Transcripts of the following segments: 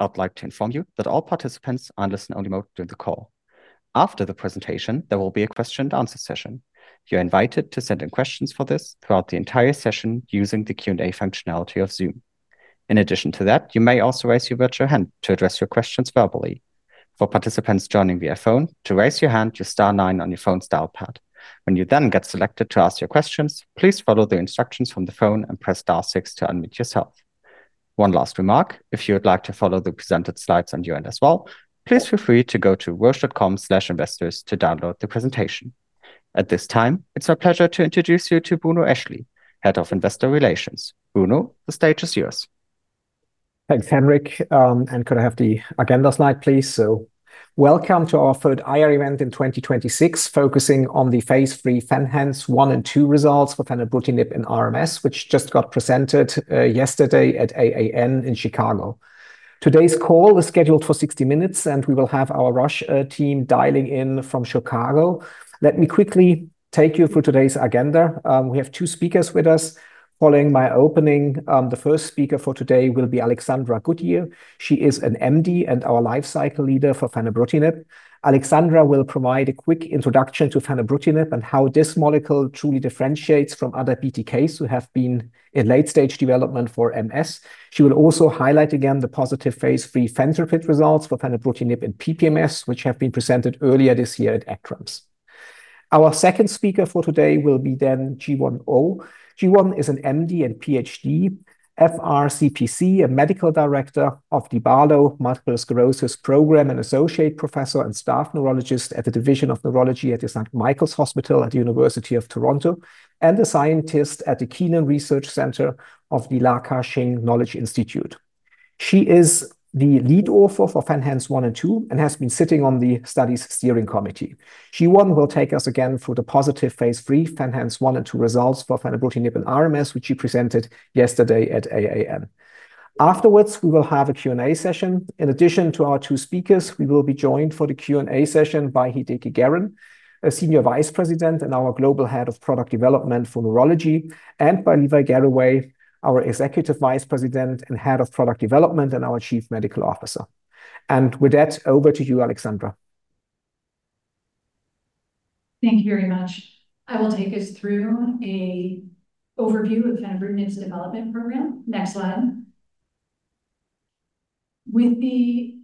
I'd like to inform you that all participants are in listen-only mode during the call. After the presentation, there will be a question and answer session. You're invited to send in questions for this throughout the entire session using the Q&A functionality of Zoom. In addition to that, you may also raise your virtual hand to address your questions verbally. For participants joining via phone, to raise your hand, just star nine on your phone's dial pad. When you then get selected to ask your questions, please follow the instructions from the phone and press star six to unmute yourself. One last remark, if you would like to follow the presented slides on your end as well, please feel free to go to roche.com/investors to download the presentation. At this time, it's our pleasure to introduce you to Bruno Eschli, Head of Investor Relations. Bruno, the stage is yours. Thanks Henrik. Could I have the agenda slide, please? Welcome to our third IR event in 2026, focusing on the phase III FENhance 1 and 2 results for Fenebrutinib in RMS, which just got presented yesterday at AAN in Chicago. Today's call is scheduled for 60 minutes, and we will have our Roche team dialing in from Chicago. Let me quickly take you through today's agenda. We have two speakers with us. Following my opening, the first speaker for today will be Alexandra Goodyear. She is an MD and our Lifecycle Leader for Fenebrutinib. Alexandra will provide a quick introduction to Fenebrutinib and how this molecule truly differentiates from other BTKs who have been in late-stage development for MS. She will also highlight again the positive phase III FENtrepid results for Fenebrutinib in PPMS, which have been presented earlier this year at ECTRIMS. Our second speaker for today will be then Jiwon Oh. Jiwon is an MD and PhD, FRCPC, a medical director of the Barlo Multiple Sclerosis Program, an associate professor and staff neurologist at the Division of Neurology at St. Michael's Hospital at the University of Toronto, and a scientist at the Keenan Research Center for Biomedical Science at the Li Ka Shing Knowledge Institute. She is the lead author for FENhance 1 and 2 and has been sitting on the study's steering committee. Jiwon will take us again through the positive phase III FENhance 1 and 2 results for Fenebrutinib in RMS, which she presented yesterday at AAN. Afterwards, we will have a Q&A session. In addition to our two speakers, we will be joined for the Q&A session by Hideki Garren, a senior vice president and our Global Head of Product Development for Neurology, and by Levi Garraway, our Executive Vice President and Head of Product Development and our Chief Medical Officer. With that, over to you, Alexandra. Thank you very much. I will take us through an overview of Fenebrutinib's development program. Next slide. With the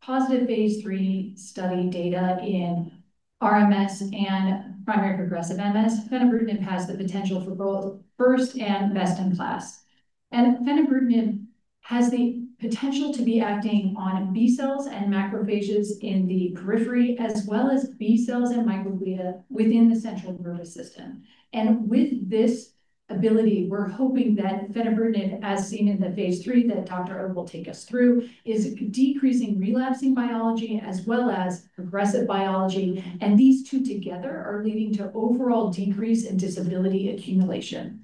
positive phase III study data in RMS and primary progressive MS, Fenebrutinib has the potential for both first and best in class. Fenebrutinib has the potential to be acting on B cells and macrophages in the periphery, as well as B cells and microglia within the central nervous system. With this ability, we're hoping that Fenebrutinib, as seen in the phase III that Dr. Garraway will take us through, is decreasing relapsing biology as well as progressive biology, and these two together are leading to overall decrease in disability accumulation.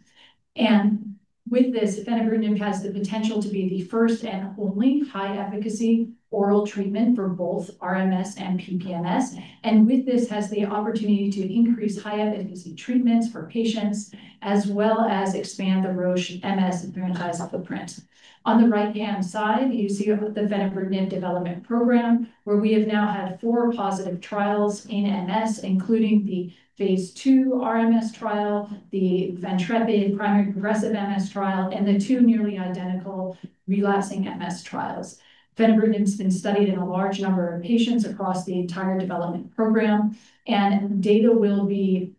With this, Fenebrutinib has the potential to be the first and only high-efficacy oral treatment for both RMS and PPMS, and with this has the opportunity to increase high-efficacy treatments for patients, as well as expand the Roche MS and neuroscience footprint. On the right-hand side, you see the Fenebrutinib development program, where we have now had four positive trials in MS, including the phase II RMS trial, the FENtrepid primary progressive MS trial, and the two nearly identical relapsing MS trials. Fenebrutinib's been studied in a large number of patients across the entire development program, and data will be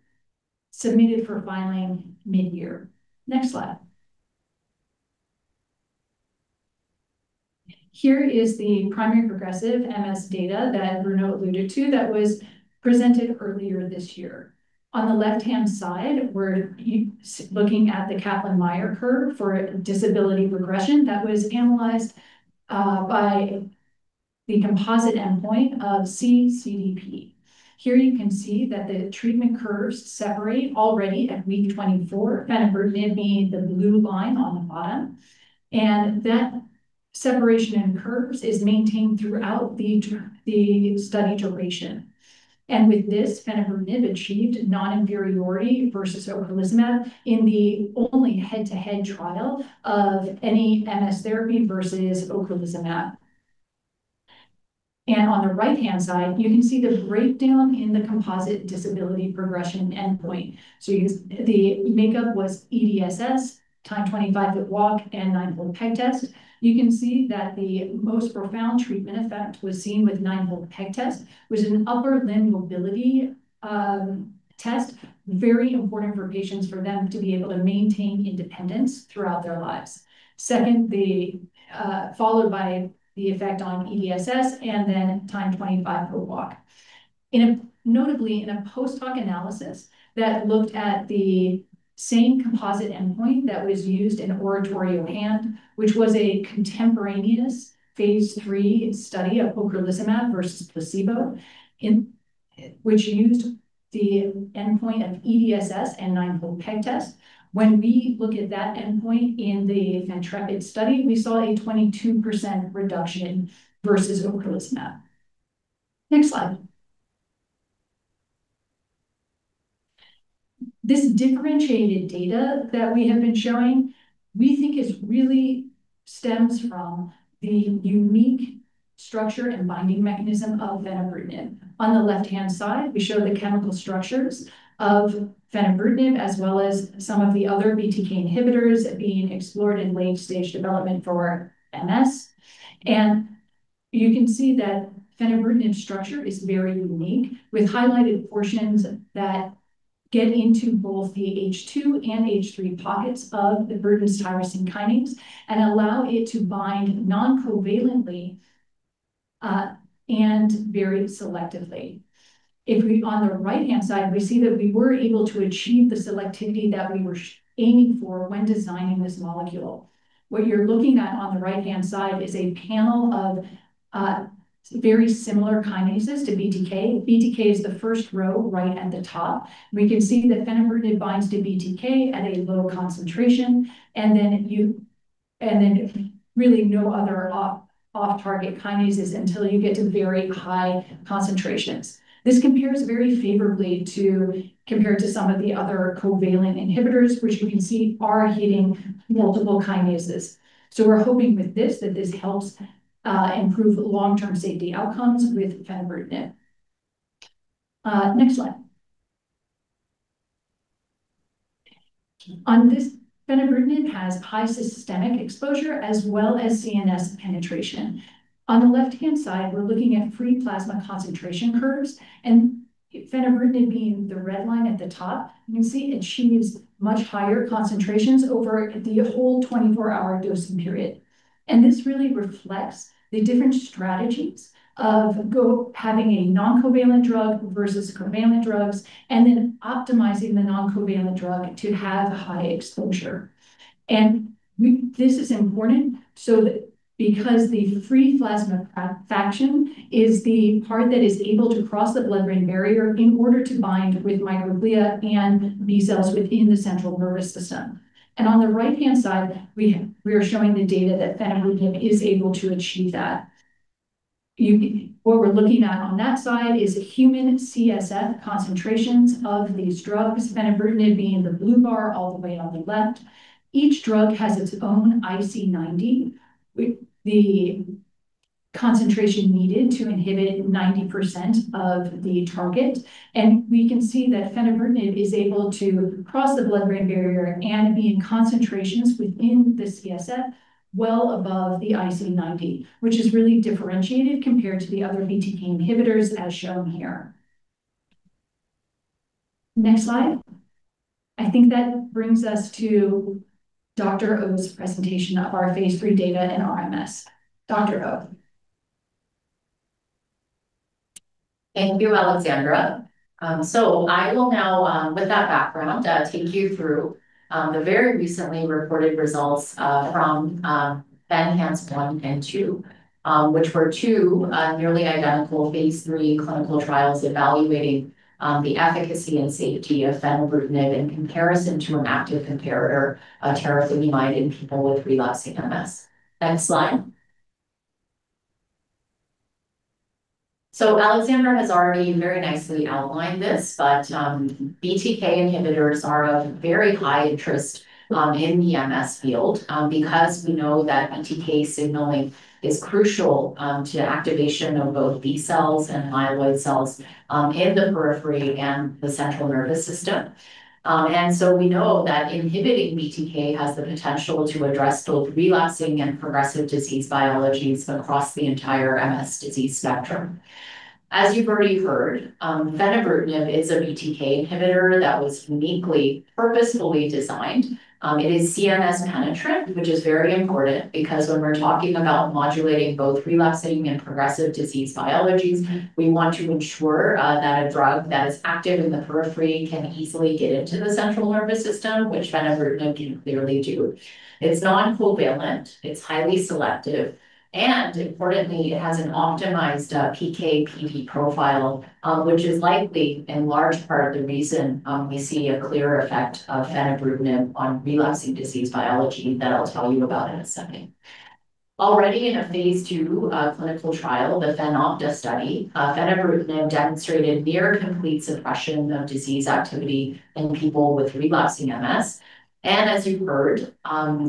submitted for filing mid-year. Next slide. Here is the primary progressive MS data that Bruno alluded to that was presented earlier this year. On the left-hand side, we're looking at the Kaplan-Meier curve for disability progression that was analyzed by the composite endpoint of cCDP. Here you can see that the treatment curves separate already at week 24, Fenebrutinib being the blue line on the bottom. That separation in curves is maintained throughout the study duration. With this, Fenebrutinib achieved non-inferiority versus ocrelizumab in the only head-to-head trial of any MS therapy versus ocrelizumab. On the right-hand side, you can see the breakdown in the composite disability progression endpoint. The makeup was EDSS, Timed 25-Foot Walk, and 9-Hole Peg Test. You can see that the most profound treatment effect was seen with 9-Hole Peg Test, which is an upper limb mobility test, very important for patients for them to be able to maintain independence throughout their lives. Second, followed by the effect on EDSS, and then Timed 25-Foot Walk. Notably, in a post-hoc analysis that looked at the same composite endpoint that was used in ORATORIO-HAND, which was a contemporaneous phase III study of ocrelizumab versus placebo, which used the endpoint of EDSS and 9-Hole Peg Test. When we look at that endpoint in the FENtrepid study, we saw a 22% reduction versus ocrelizumab. Next slide. This differentiated data that we have been showing, we think it really stems from the unique structure and binding mechanism of Fenebrutinib. On the left-hand side, we show the chemical structures of Fenebrutinib, as well as some of the other BTK inhibitors being explored in late-stage development for MS. You can see that Fenebrutinib's structure is very unique, with highlighted portions that get into both the H2 and H3 pockets of the Bruton's tyrosine kinase and allow it to bind non-covalently and very selectively. On the right-hand side, we see that we were able to achieve the selectivity that we were aiming for when designing this molecule. What you're looking at on the right-hand side is a panel of very similar kinases to BTK. BTK is the first row right at the top. We can see that Fenebrutinib binds to BTK at a low concentration, and then really no other off-target kinases until you get to very high concentrations. This compares very favorably to some of the other covalent inhibitors, which we can see are hitting multiple kinases. We're hoping with this, that this helps improve long-term safety outcomes with Fenebrutinib. Next slide. On this, Fenebrutinib has high systemic exposure as well as CNS penetration. On the left-hand side, we're looking at free plasma concentration curves, and Fenebrutinib being the red line at the top, you can see it achieves much higher concentrations over the whole 24-hour dosing period. This really reflects the different strategies of having a non-covalent drug versus covalent drugs, and then optimizing the non-covalent drug to have high exposure. This is important because the free plasma fraction is the part that is able to cross the blood-brain barrier in order to bind with microglia and B cells within the central nervous system. On the right-hand side, we are showing the data that Fenebrutinib is able to achieve that. What we're looking at on that side is human CSF concentrations of these drugs, Fenebrutinib being the blue bar all the way on the left. Each drug has its own IC90, the concentration needed to inhibit 90% of the target. We can see that Fenebrutinib is able to cross the blood-brain barrier and be in concentrations within the CSF well above the IC90, which is really differentiated compared to the other BTK inhibitors, as shown here. Next slide. I think that brings us to Dr. Oh's presentation of our phase III data in RMS. Dr. Oh. Thank you Alexandra. I will now, with that background, take you through the very recently reported results from FENhance 1 and 2, which were two nearly identical phase III clinical trials evaluating the efficacy and safety of Fenebrutinib in comparison to an active comparator, teriflunomide, in people with relapsing BARLO MS Program. Next slide. Alexandra has already very nicely outlined this, but BTK inhibitors are of very high interest in the MS field, because we know that BTK signaling is crucial to activation of both B cells and myeloid cells in the periphery and the central nervous system. We know that inhibiting BTK has the potential to address both relapsing and progressive disease biologies across the entire MS disease spectrum. As you've already heard, Fenebrutinib is a BTK inhibitor that was uniquely, purposefully designed. It is CNS penetrant, which is very important because when we're talking about modulating both relapsing and progressive disease biologies, we want to ensure that a drug that is active in the periphery can easily get into the central nervous system, which Fenebrutinib can clearly do. It's non-covalent, it's highly selective, and importantly, it has an optimized PK/PD profile, which is likely in large part of the reason we see a clear effect of Fenebrutinib on relapsing disease biology that I'll tell you about in a second. Already in a phase II clinical trial, the FENopta study, Fenebrutinib demonstrated near-complete suppression of disease activity in people with relapsing MS. As you heard,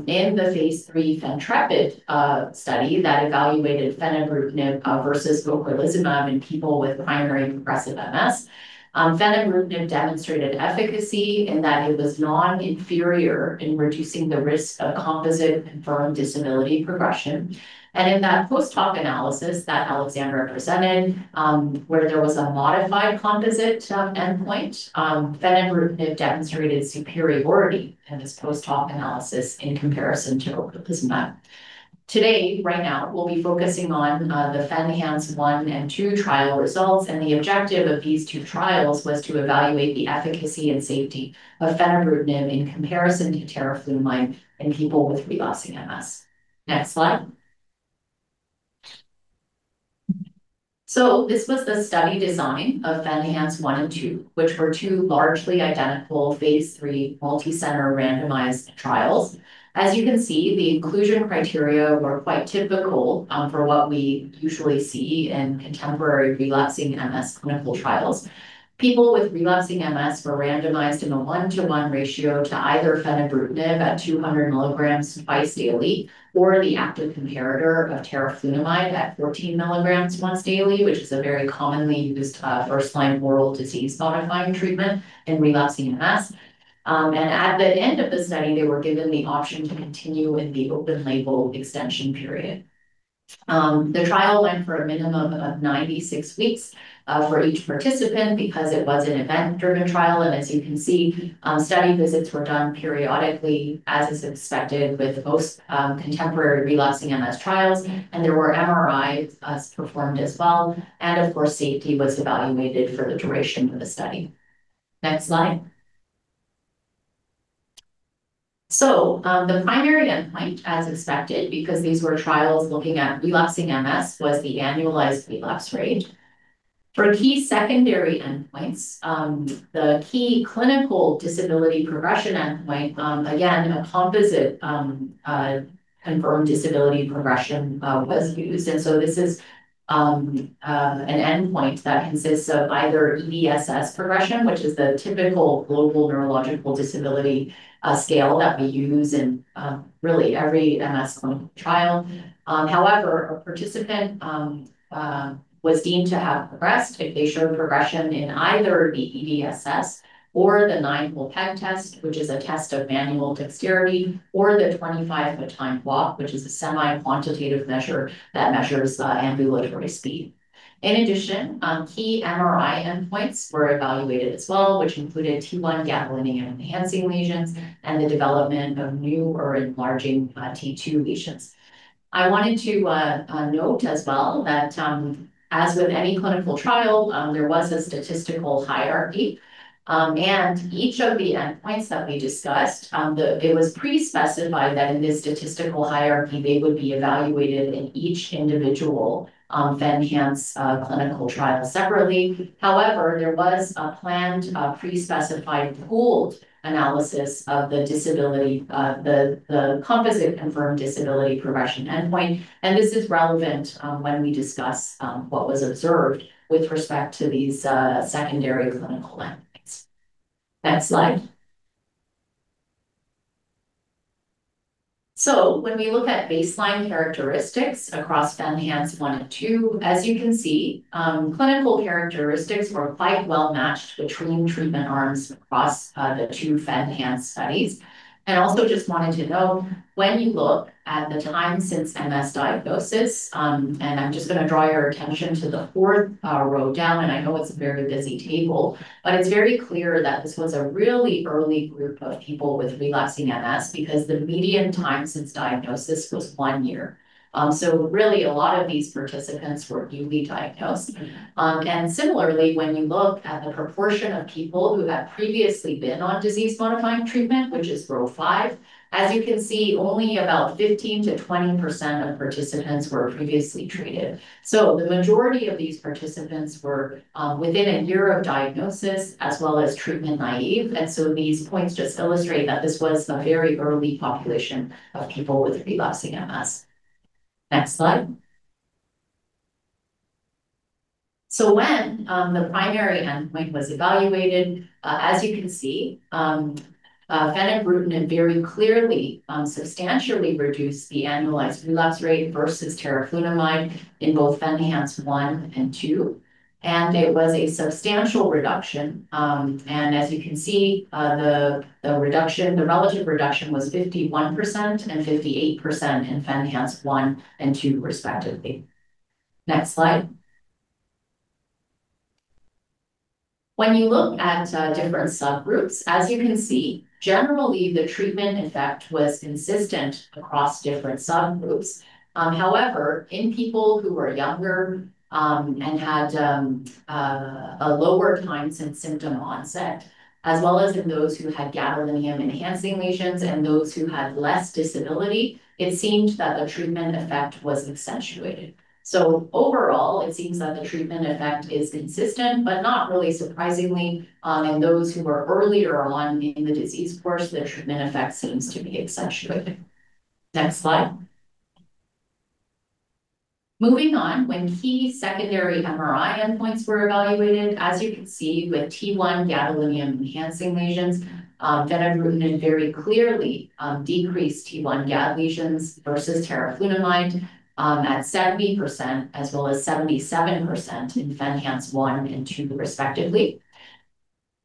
in the phase III FENtrepid study that evaluated Fenebrutinib versus ocrelizumab in people with primary progressive MS, Fenebrutinib demonstrated efficacy in that it was non-inferior in reducing the risk of composite confirmed disability progression. In that post-hoc analysis that Alexandra presented, where there was a modified composite endpoint, Fenebrutinib demonstrated superiority in this post-hoc analysis in comparison to ocrelizumab. Today, right now, we'll be focusing on the FENhance 1 and 2 trial results, and the objective of these two trials was to evaluate the efficacy and safety of Fenebrutinib in comparison to teriflunomide in people with relapsing MS. Next slide. This was the study design of FENhance 1 and 2, which were two largely identical phase III multi-center randomized trials. As you can see, the inclusion criteria were quite typical for what we usually see in contemporary relapsing MS clinical trials. People with relapsing MS were randomized in a 1:1 ratio to either Fenebrutinib at 200 mg twice daily, or the active comparator of teriflunomide at 14 mg once daily, which is a very commonly used first-line oral disease-modifying treatment in relapsing MS. At the end of the study, they were given the option to continue in the open-label extension period. The trial went for a minimum of 96 weeks for each participant because it was an event-driven trial. As you can see, study visits were done periodically, as is expected with most contemporary relapsing MS trials, and there were MRIs performed as well. Of course, safety was evaluated for the duration of the study. Next slide. The primary endpoint, as expected, because these were trials looking at relapsing MS, was the annualized relapse rate. For key secondary endpoints, the key clinical disability progression endpoint, again, a composite confirmed disability progression was used. This is an endpoint that consists of either EDSS progression, which is the typical global neurological disability scale that we use in really every MS clinical trial. However, a participant was deemed to have progressed if they showed progression in either the EDSS or the Nine-Hole Peg Test, which is a test of manual dexterity, or the Timed 25-Foot Walk, which is a semi-quantitative measure that measures ambulatory speed. In addition, key MRI endpoints were evaluated as well, which included T1 gadolinium-enhancing lesions and the development of new or enlarging T2 lesions. I wanted to note as well that, as with any clinical trial, there was a statistical hierarchy. Each of the endpoints that we discussed, it was pre-specified that in this statistical hierarchy, they would be evaluated in each individual FENhance clinical trial separately. However, there was a planned pre-specified pooled analysis of the Composite Confirmed Disability Progression endpoint. This is relevant when we discuss what was observed with respect to these secondary clinical endpoints. Next slide. When we look at baseline characteristics across FENhance 1 and 2, as you can see, clinical characteristics were quite well-matched between treatment arms across the two FENhance studies. Also just wanted to note when you look at the time since MS diagnosis, and I'm just going to draw your attention to the fourth row down, and I know it's a very busy table. It's very clear that this was a really early group of people with relapsing MS because the median time since diagnosis was one year. Really, a lot of these participants were newly diagnosed. Similarly, when you look at the proportion of people who had previously been on disease-modifying treatment, which is row five, as you can see, only about 15%-20% of participants were previously treated. The majority of these participants were within a year of diagnosis as well as treatment naive. These points just illustrate that this was a very early population of people with relapsing MS. Next slide. When the primary endpoint was evaluated, as you can see, Fenebrutinib very clearly substantially reduced the annualized relapse rate versus teriflunomide in both FENhance 1 and 2, and it was a substantial reduction. As you can see, the relative reduction was 51% and 58% in FENhance 1 and 2 respectively. Next slide. When you look at different subgroups, as you can see, generally the treatment effect was consistent across different subgroups. However, in people who were younger, and had a lower time since symptom onset, as well as in those who had gadolinium-enhancing lesions and those who had less disability, it seemed that the treatment effect was accentuated. Overall, it seems that the treatment effect is consistent, but not really surprisingly, in those who were earlier along in the disease course, the treatment effect seems to be accentuated. Next slide. Moving on, when key secondary MRI endpoints were evaluated, as you can see with T1 gadolinium-enhancing lesions, Fenebrutinib very clearly decreased T1 gad lesions versus teriflunomide at 70% as well as 77% in FENhance 1 and 2 respectively.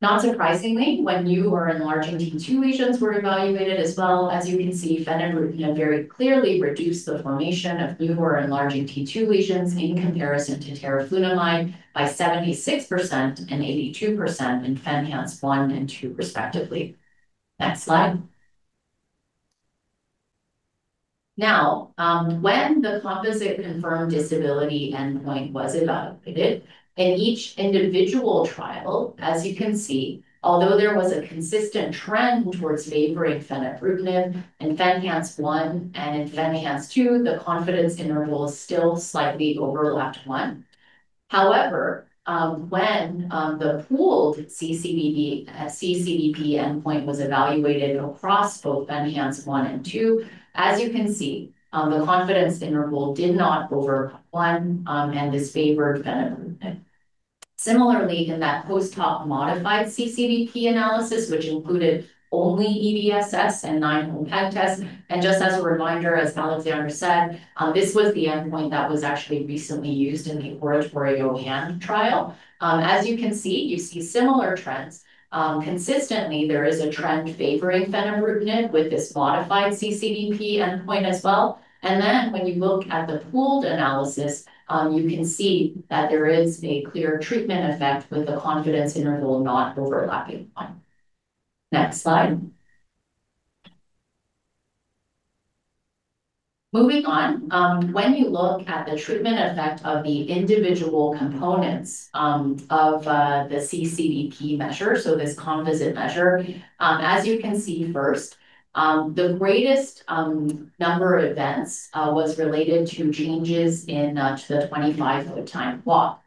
Not surprisingly, when new or enlarging T2 lesions were evaluated as well, as you can see, Fenebrutinib very clearly reduced the formation of new or enlarging T2 lesions in comparison to teriflunomide by 76% and 82% in FENhance 1 and 2 respectively. Next slide. Now, when the composite confirmed disability endpoint was evaluated, in each individual trial, as you can see, although there was a consistent trend towards favoring Fenebrutinib in FENhance 1 and in FENhance 2, the confidence interval still slightly overlapped 1. However, when the pooled cCDP endpoint was evaluated across both FENhance 1 and 2, as you can see, the confidence interval did not overlap 1 and disfavored teriflunomide. Similarly, in that post-hoc modified cCDP analysis, which included only EDSS and Nine Hole Peg Test, just as a reminder, as Alexandra said, this was the endpoint that was actually recently used in the ORATORIO-HAND trial. As you can see, you see similar trends. Consistently, there is a trend favoring Fenebrutinib with this modified cCDP endpoint as well. When you look at the pooled analysis, you can see that there is a clear treatment effect with the confidence interval not overlapping one. Next slide. Moving on. When you look at the treatment effect of the individual components of the cCDP measure, so this composite measure. As you can see first, the greatest number of events was related to changes in the Timed 25-Foot Walk.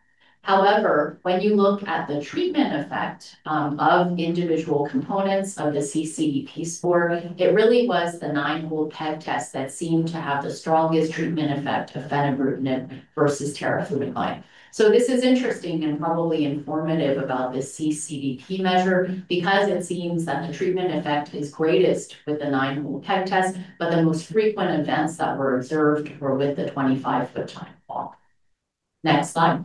However, when you look at the treatment effect of individual components of the cCDP score, it really was the 9-Hole Peg Test that seemed to have the strongest treatment effect of Fenebrutinib versus teriflunomide. This is interesting and probably informative about the cCDP measure because it seems that the treatment effect is greatest with the 9-Hole Peg Test, but the most frequent events that were observed were with the Timed 25-Foot Walk. Next slide.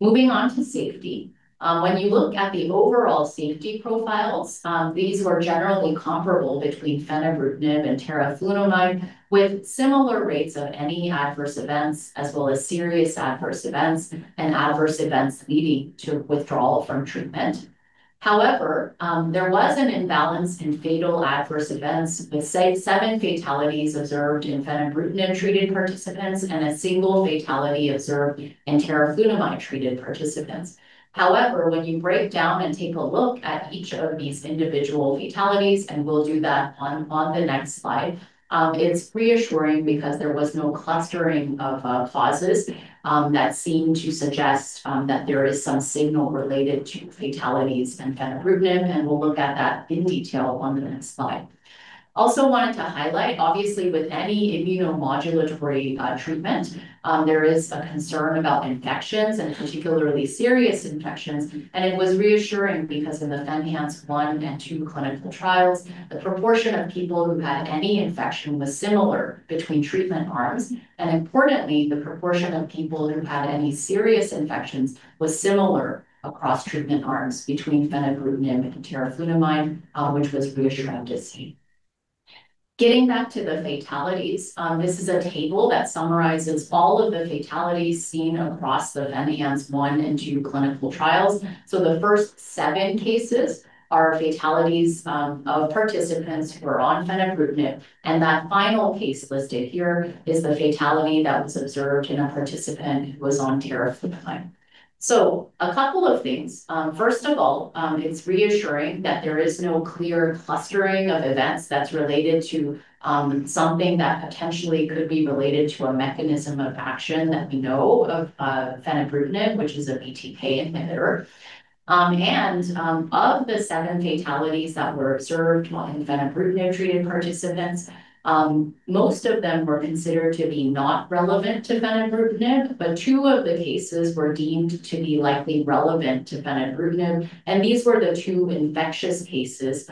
Moving on to safety. When you look at the overall safety profiles, these were generally comparable between Fenebrutinib and teriflunomide, with similar rates of any adverse events, as well as serious adverse events and adverse events leading to withdrawal from treatment. However, there was an imbalance in fatal adverse events, with seven fatalities observed in Fenebrutinib-treated participants and a single fatality observed in teriflunomide-treated participants. However, when you break down and take a look at each of these individual fatalities, and we'll do that on the next slide, it's reassuring because there was no clustering of causes that seem to suggest that there is some signal related to fatalities and Fenebrutinib. We'll look at that in detail on the next slide. Also wanted to highlight, obviously with any immunomodulatory treatment, there is a concern about infections and particularly serious infections. It was reassuring because in the FENhance 1 and 2 clinical trials, the proportion of people who had any infection was similar between treatment arms. Importantly, the proportion of people who had any serious infections was similar across treatment arms between Fenebrutinib and teriflunomide, which was reassuring to see. Getting back to the fatalities. This is a table that summarizes all of the fatalities seen across the FENhance 1 and 2 clinical trials. The first seven cases are fatalities of participants who are on Fenebrutinib. That final case listed here is the fatality that was observed in a participant who was on teriflunomide. A couple of things. First of all, it's reassuring that there is no clear clustering of events that's related to something that potentially could be related to a mechanism of action that we know of Fenebrutinib, which is a BTK inhibitor. Of the seven fatalities that were observed among Fenebrutinib-treated participants, most of them were considered to be not relevant to Fenebrutinib, but two of the cases were deemed to be likely relevant to Fenebrutinib. These were the two infectious cases,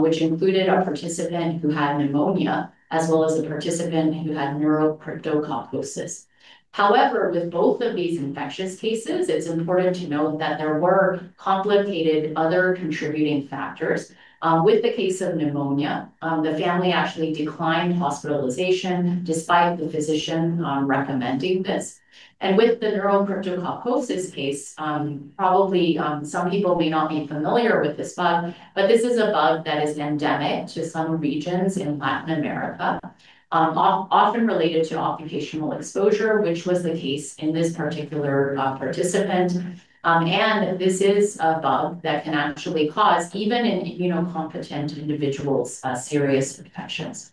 which included a participant who had pneumonia as well as a participant who had neurocryptococcosis. However, with both of these infectious cases, it's important to note that there were complicating other contributing factors. With the case of pneumonia, the family actually declined hospitalization despite the physician recommending this. With the neurocryptococcosis case, probably some people may not be familiar with this bug, but this is a bug that is endemic to some regions in Latin America, often related to occupational exposure, which was the case in this particular participant. This is a bug that can actually cause, even in immunocompetent individuals, serious infections.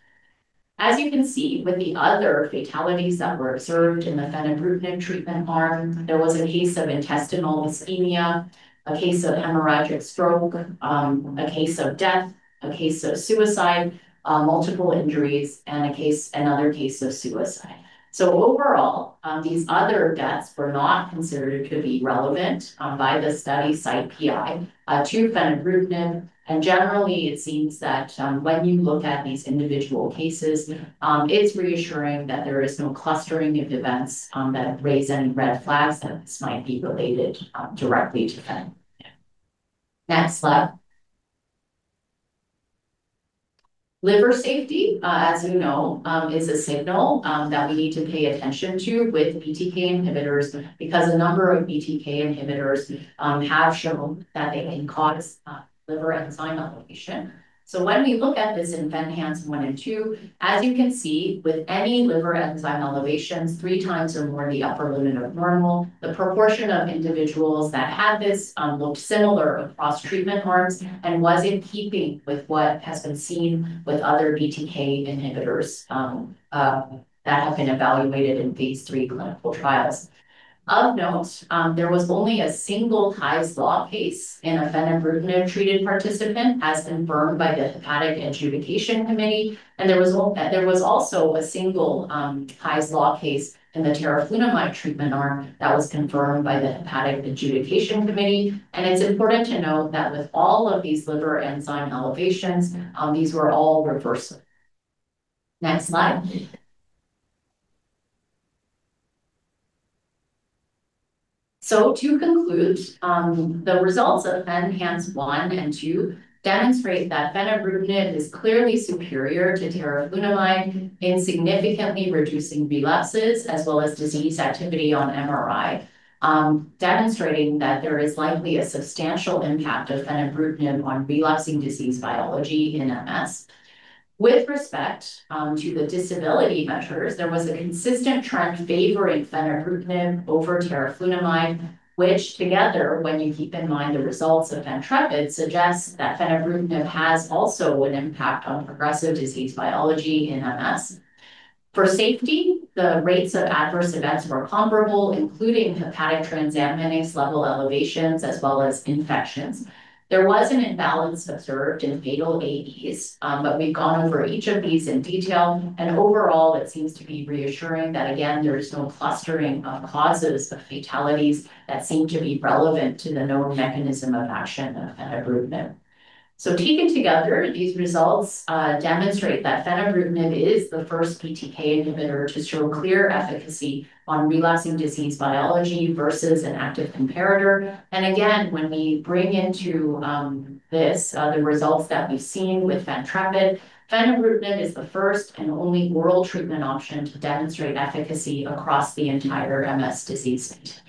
As you can see with the other fatalities that were observed in the Venetoclax treatment arm, there was a case of intestinal ischemia, a case of hemorrhagic stroke, a case of death, a case of suicide, multiple injuries, and another case of suicide. Overall, these other deaths were not considered to be relevant by the study site PI to Venetoclax. Generally, it seems that when you look at these individual cases, it's reassuring that there is no clustering of events that raise any red flags, that this might be related directly to Venetoclax. Next slide. Liver safety, as you know, is a signal that we need to pay attention to with BTK inhibitors because a number of BTK inhibitors have shown that they can cause liver enzyme elevation. When we look at this in FENhance 1 and 2, as you can see with any liver enzyme elevations three times or more the upper limit of normal, the proportion of individuals that had this looked similar across treatment arms and was in keeping with what has been seen with other BTK inhibitors that have been evaluated in phase III clinical trials. Of note, there was only a single Hy's Law case in a Fenebrutinib-treated participant, as confirmed by the Hepatic Adjudication Committee. There was also a single Hy's Law case in the teriflunomide treatment arm that was confirmed by the Hepatic Adjudication Committee. It's important to note that with all of these liver enzyme elevations, these were all reversed. Next slide. To conclude, the results of FENhance 1 and 2 demonstrate that Fenebrutinib is clearly superior to teriflunomide in significantly reducing relapses as well as disease activity on MRI, demonstrating that there is likely a substantial impact of Fenebrutinib on relapsing disease biology in MS. With respect to the disability measures, there was a consistent trend favoring Fenebrutinib over teriflunomide, which together when you keep in mind the results of FENtrepid suggest that Fenebrutinib has also an impact on progressive disease biology in MS. For safety, the rates of adverse events were comparable, including hepatic transaminase level elevations as well as infections. There was an imbalance observed in fatal AEs, but we've gone over each of these in detail. Overall, it seems to be reassuring that again, there is no clustering of causes of fatalities that seem to be relevant to the known mechanism of action of Fenebrutinib. Taken together, these results demonstrate that Fenebrutinib is the first BTK inhibitor to show clear efficacy on relapsing disease biology versus an active comparator. Again, when we bring into this the results that we've seen with FENtrepid, Fenebrutinib is the first and only oral treatment option to demonstrate efficacy across the entire MS disease.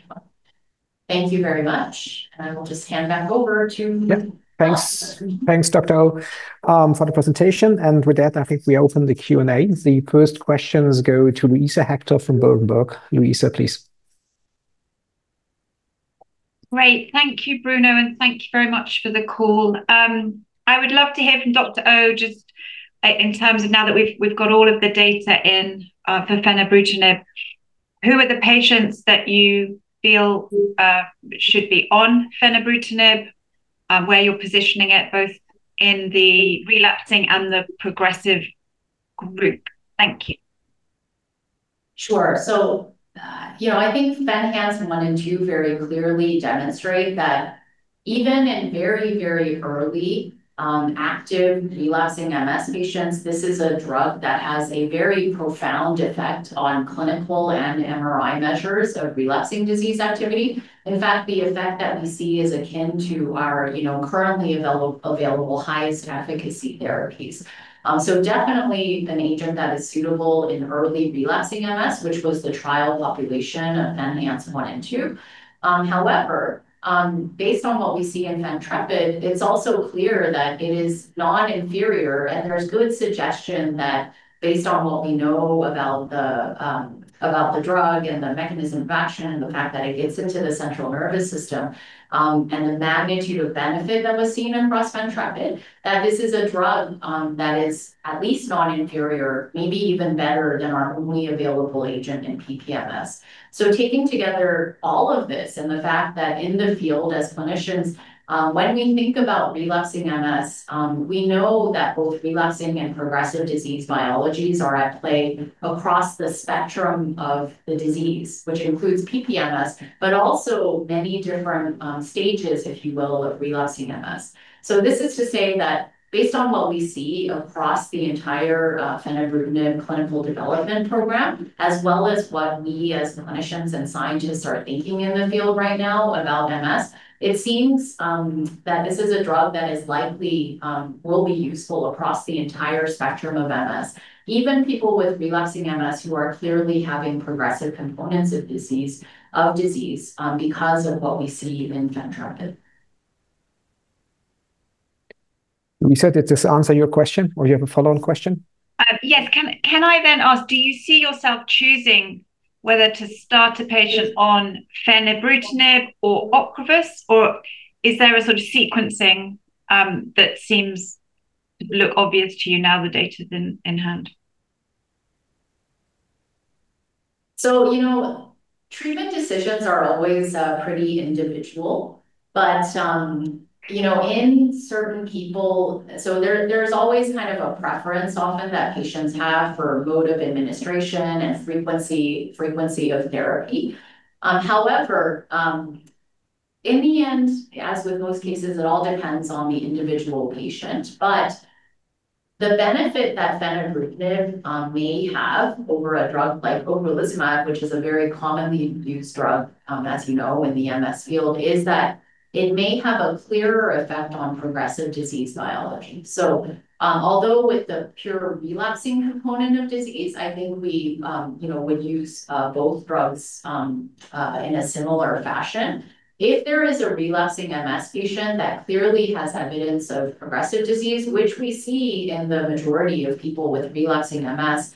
Thank you very much, and I will just hand back over to- Yeah. Thanks. Thanks, Dr. Oh, for the presentation. With that, I think we open the Q&A. The first questions go to Luisa Hector from Berenberg. Luisa, please. Great. Thank you, Bruno, and thank you very much for the call. I would love to hear from Dr. Oh just in terms of now that we've got all of the data in for Fenebrutinib, who are the patients that you feel should be on Fenebrutinib, where you're positioning it both in the relapsing and the progressive group? Thank you. Sure. I think FENhance 1 and 2 very clearly demonstrate that even in very early active relapsing MS patients, this is a drug that has a very profound effect on clinical and MRI measures of relapsing disease activity. In fact, the effect that we see is akin to our currently available highest efficacy therapies. Definitely an agent that is suitable in early relapsing MS, which was the trial population of FENhance 1 and 2. However, based on what we see in FENtrepid, it's also clear that it is non-inferior, and there's good suggestion that based on what we know about the drug and the mechanism of action, and the fact that it gets into the central nervous system, and the magnitude of benefit that was seen across FENtrepid, that this is a drug that is at least non-inferior, maybe even better than our only available agent in PPMS. Taking together all of this and the fact that in the field as clinicians, when we think about relapsing MS, we know that both relapsing and progressive disease biologies are at play across the spectrum of the disease, which includes PPMS, but also many different stages, if you will, of relapsing MS. This is to say that based on what we see across the entire Fenebrutinib clinical development program, as well as what we as clinicians and scientists are thinking in the field right now about MS, it seems that this is a drug that is likely will be useful across the entire spectrum of MS, even people with relapsing MS who are clearly having progressive components of disease because of what we see in FENtrepid. Luisa, did this answer your question or do you have a follow-on question? Yes. Can I then ask, do you see yourself choosing whether to start a patient on Fenebrutinib or Ocrevus, or is there a sort of sequencing that seems obvious to you now the data's in hand? Treatment decisions are always pretty individual. In certain people, there's always kind of a preference often that patients have for mode of administration and frequency of therapy. However, in the end, as with most cases, it all depends on the individual patient. The benefit that Fenebrutinib may have over a drug like ocrelizumab, which is a very commonly used drug, as you know, in the MS field, is that it may have a clearer effect on progressive disease biology. Although with the pure relapsing component of disease, I think we would use both drugs in a similar fashion. If there is a relapsing MS patient that clearly has evidence of progressive disease, which we see in the majority of people with relapsing MS,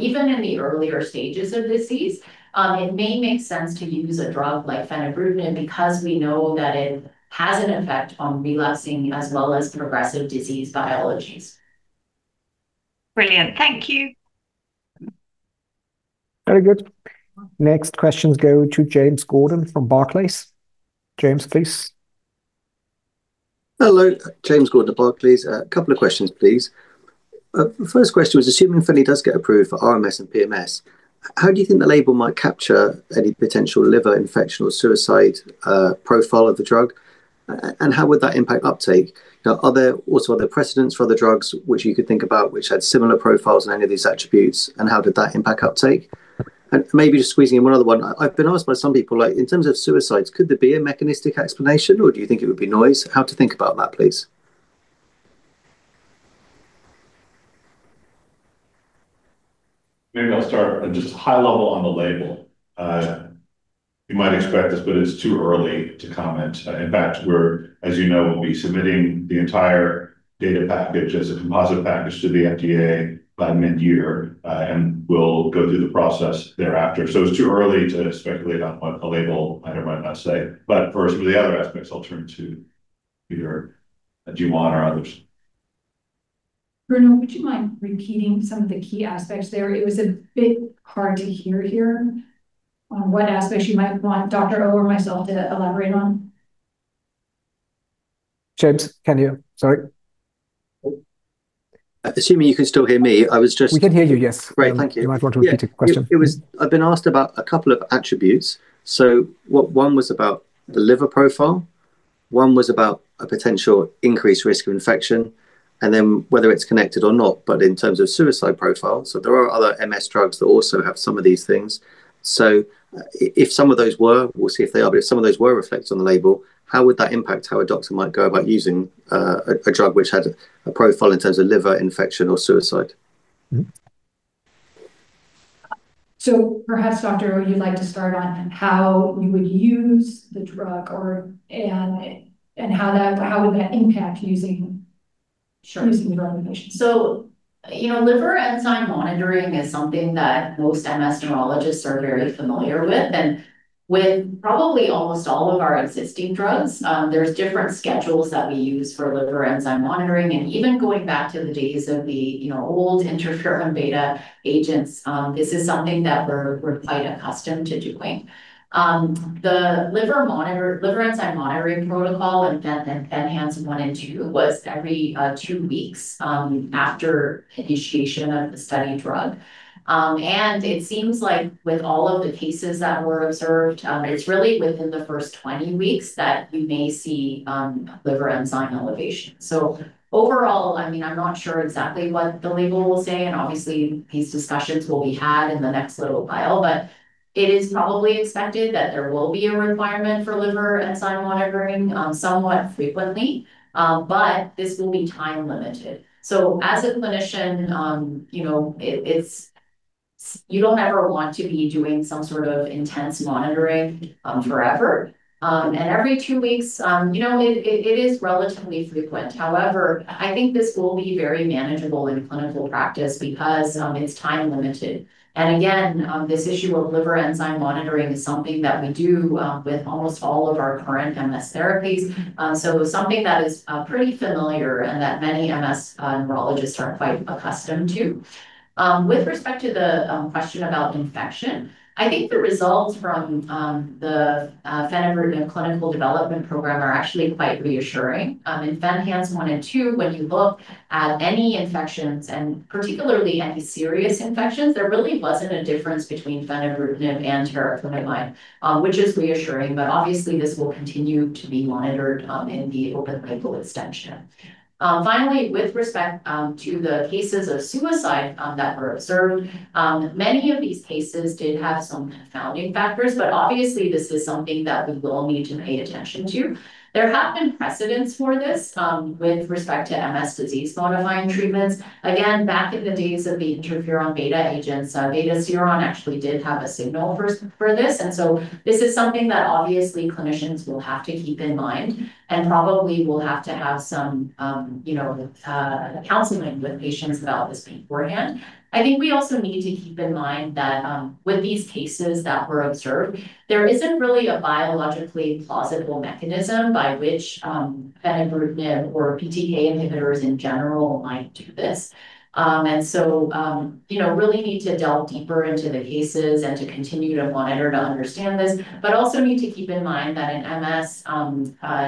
even in the earlier stages of disease, it may make sense to use a drug like Fenebrutinib because we know that it has an effect on relapsing as well as progressive disease biologies. Brilliant. Thank you. Very good. Next questions go to James Gordon from Barclays. James, please. Hello. James Gordon, Barclays. A couple of questions, please. First question was assuming Fenebrutinib does get approved for RMS and PPMS, how do you think the label might capture any potential liver infection or suicide profile of the drug? How would that impact uptake? Also, are there precedents for other drugs which you could think about which had similar profiles in any of these attributes, and how did that impact uptake? Maybe just squeezing in one other one. I've been asked by some people, in terms of suicides, could there be a mechanistic explanation, or do you think it would be noise? How to think about that, please. Maybe I'll start just high level on the label. You might expect this, but it's too early to comment. In fact, as you know, we'll be submitting the entire data package as a composite package to the FDA by mid-year, and we'll go through the process thereafter. It's too early to speculate on what the label might or might not say. For some of the other aspects, I'll turn to either Jiwon Oh or others. Bruno, would you mind repeating some of the key aspects there? It was a bit hard to hear here on what aspects you might want Dr. Oh or myself to elaborate on. James, can you? Sorry. Assuming you can still hear me. We can hear you, yes. Great. Thank you. You might want to repeat the question. I've been asked about a couple of attributes. One was about the liver profile, one was about a potential increased risk of infection, and then whether it's connected or not, but in terms of suicide profile. There are other MS drugs that also have some of these things. If some of those were, we'll see if they are, but if some of those were reflected on the label, how would that impact how a doctor might go about using a drug which had a profile in terms of liver infection or suicide? Perhaps, Doctor Oh, you'd like to start on how you would use the drug and how would that impact using- Sure using the drug in patients. Liver enzyme monitoring is something that most MS neurologists are very familiar with. With probably almost all of our existing drugs, there's different schedules that we use for liver enzyme monitoring. Even going back to the days of the old interferon beta agents, this is something that we're quite accustomed to doing. The liver enzyme monitoring protocol in FENhance 1 and 2 was every two weeks after initiation of the study drug. It seems like with all of the cases that were observed, it's really within the first 20 weeks that you may see liver enzyme elevation. Overall, I'm not sure exactly what the label will say, and obviously these discussions will be had in the next little while, but it is probably expected that there will be a requirement for liver enzyme monitoring somewhat frequently. This will be time-limited. As a clinician, you don't ever want to be doing some sort of intense monitoring forever. Every two weeks, it is relatively frequent. However, I think this will be very manageable in clinical practice because it's time-limited. Again, this issue of liver enzyme monitoring is something that we do with almost all of our current MS therapies. Something that is pretty familiar and that many MS neurologists are quite accustomed to. With respect to the question about infection, I think the results from the Fenebrutinib clinical development program are actually quite reassuring. In FENhance 1 and 2, when you look at any infections, and particularly any serious infections, there really wasn't a difference between Fenebrutinib and teriflunomide, which is reassuring, but obviously this will continue to be monitored in the open label extension. Finally, with respect to the cases of suicide that were observed, many of these cases did have some confounding factors, but obviously this is something that we will need to pay attention to. There have been precedents for this with respect to MS disease-modifying treatments. Again, back in the days of the Interferon beta agents, Betaseron actually did have a signal for this, and so this is something that obviously clinicians will have to keep in mind, and probably will have to have some counseling with patients about this beforehand. I think we also need to keep in mind that with these cases that were observed, there isn't really a biologically plausible mechanism by which Fenebrutinib or BTK inhibitors in general might do this. Really need to delve deeper into the cases and to continue to monitor to understand this, but also need to keep in mind that in MS,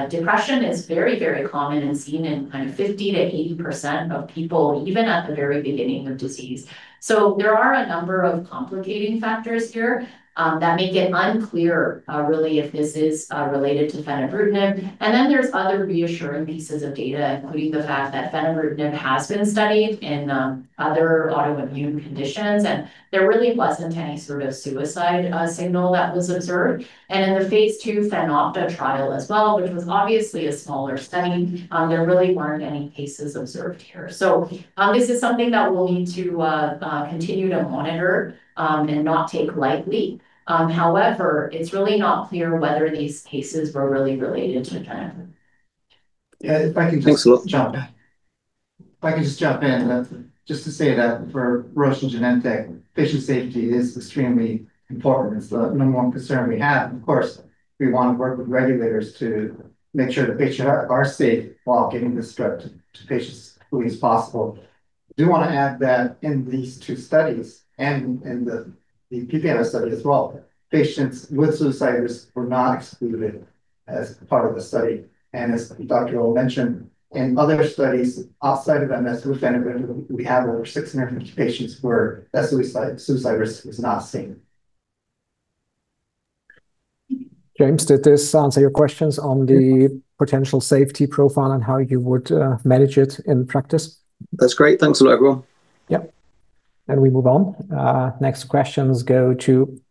depression is very, very common and seen in 50%-80% of people, even at the very beginning of disease. There are a number of complicating factors here that make it unclear really if this is related to Fenebrutinib. Then there's other reassuring pieces of data, including the fact that Fenebrutinib has been studied in other autoimmune conditions, and there really wasn't any sort of suicide signal that was observed. In the phase II FENopta trial as well, which was obviously a smaller study, there really weren't any cases observed here. This is something that we'll need to continue to monitor and not take lightly. However, it's really not clear whether these cases were really related to Fenebrutinib. Yeah, if I can just. Thanks a lot. If I can just jump in, just to say that for Roche and Genentech, patient safety is extremely important. It's the number one concern we have. Of course, we want to work with regulators to make sure the patients are safe while getting this drug to patients as quickly as possible. I do want to add that in these two studies and in the PPMS study as well, patients with suicide risk were not excluded as part of the study. As Dr. Garraway mentioned, in other studies outside of MS with Fenebrutinib, we have over 650 patients where that suicide risk was not seen. James, did this answer your questions on the potential safety profile and how you would manage it in practice? That's great. Thanks a lot. Yep. We move on. Next questions go to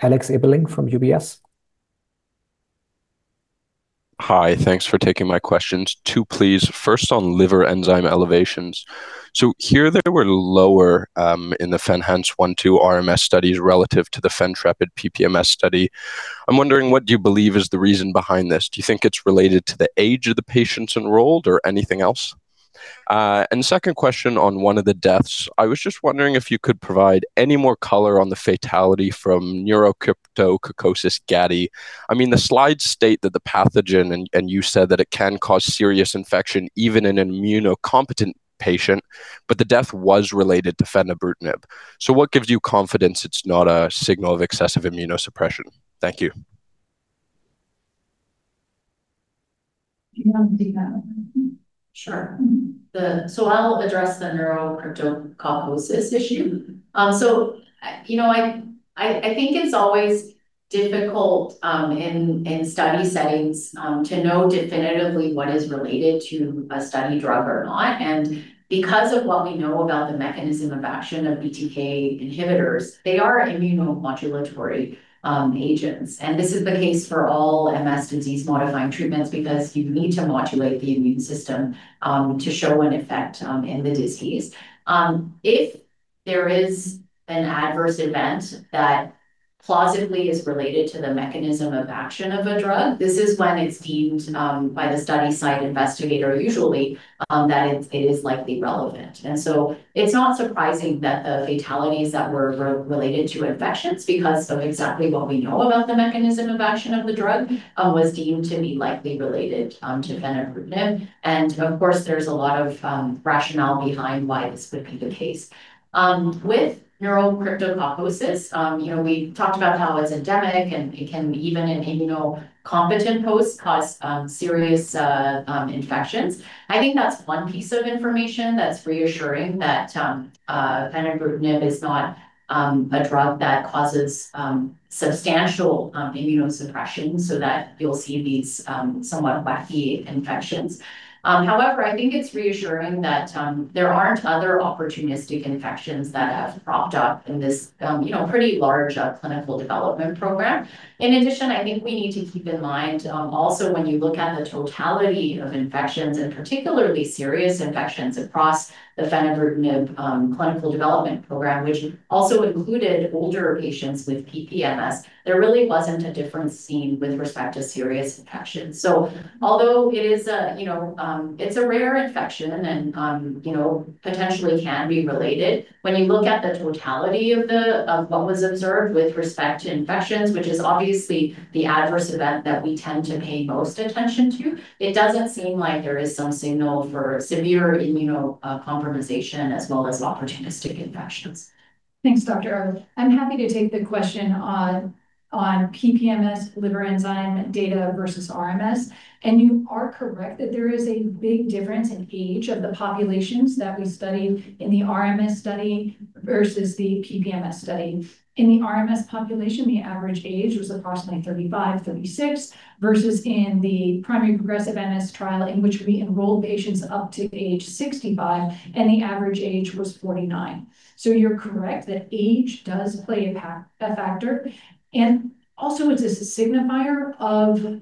Alex Ebeling from UBS. Hi. Thanks for taking my questions. Two, please. First, on liver enzyme elevations. So here they were lower, in the FENhance 1-2 RMS studies relative to the FENtrepid PPMS study. I'm wondering, what do you believe is the reason behind this? Do you think it's related to the age of the patients enrolled or anything else? Second question on one of the deaths. I was just wondering if you could provide any more color on the fatality from neurocryptococcosis gattii. The slides state that the pathogen, and you said that it can cause serious infection even in an immunocompetent patient, but the death was related to Fenebrutinib. So what gives you confidence it's not a signal of excessive immunosuppression? Thank you. Do you want me to take that one? Sure. I'll address the neurocryptococcosis issue. I think it's always difficult in study settings to know definitively what is related to a study drug or not. Because of what we know about the mechanism of action of BTK inhibitors, they are immunomodulatory agents, and this is the case for all MS disease-modifying treatments because you need to modulate the immune system to show an effect in the disease. If there is an adverse event that plausibly is related to the mechanism of action of a drug, this is when it's deemed, by the study site investigator usually, that it is likely relevant. It's not surprising that the fatalities that were related to infections because of exactly what we know about the mechanism of action of the drug was deemed to be likely related to Fenebrutinib. Of course, there's a lot of rationale behind why this would be the case. With neurocryptococcosis, we talked about how it's endemic, and it can, even in immunocompetent hosts, cause serious infections. I think that's one piece of information that's reassuring that Fenebrutinib is not a drug that causes substantial immunosuppression so that you'll see these somewhat wacky infections. However, I think it's reassuring that there aren't other opportunistic infections that have cropped up in this pretty large clinical development program. In addition, I think we need to keep in mind, also when you look at the totality of infections, and particularly serious infections across the Fenebrutinib clinical development program, which also included older patients with PPMS, there really wasn't a difference seen with respect to serious infections. Although it's a rare infection and potentially can be related, when you look at the totality of what was observed with respect to infections, which is obviously the adverse event that we tend to pay most attention to, it doesn't seem like there is some signal for severe immunocompromisation as well as opportunistic infections. Thanks Dr. Oh. I'm happy to take the question on PPMS liver enzyme data versus RMS. You are correct that there is a big difference in age of the populations that we studied in the RMS study versus the PPMS study. In the RMS population, the average age was approximately 35, 36, versus in the primary progressive MS trial in which we enrolled patients up to age 65, and the average age was 49. You're correct that age does play a factor. Also it's a signifier of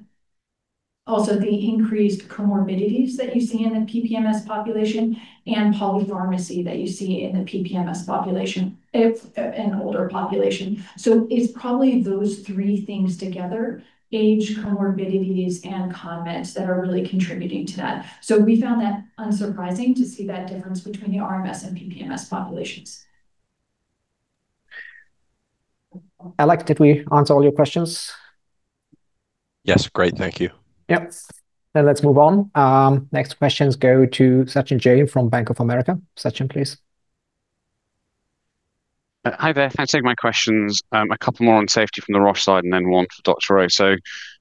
also the increased comorbidities that you see in the PPMS population and polypharmacy that you see in the PPMS population. It's an older population. It's probably those three things together, age, comorbidities, and co-meds, that are really contributing to that. We found that unsurprising to see that difference between the RMS and PPMS populations. Alex, did we answer all your questions? Yes. Great. Thank you. Yep. Let's move on. Next questions go to Sachin Jain from Bank of America. Sachin, please. Hi there. Thanks for taking my questions. A couple more on safety from the Roche side, and then one for Dr. Garraway. Wonder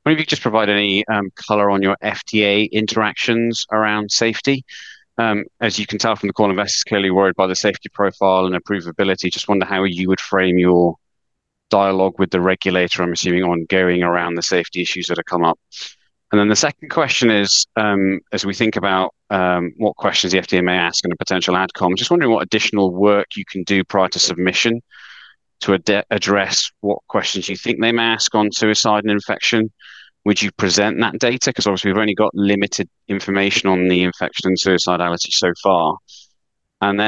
if you could just provide any color on your FDA interactions around safety. As you can tell from the call, investors are clearly worried by the safety profile and approvability. Just wonder how you would frame your dialogue with the regulator, I'm assuming ongoing around the safety issues that have come up. The second question is, as we think about what questions the FDA may ask in a potential adcom, just wondering what additional work you can do prior to submission to address what questions you think they may ask on suicide and infection. Would you present that data? Because obviously we've only got limited information on the infection and suicidality so far.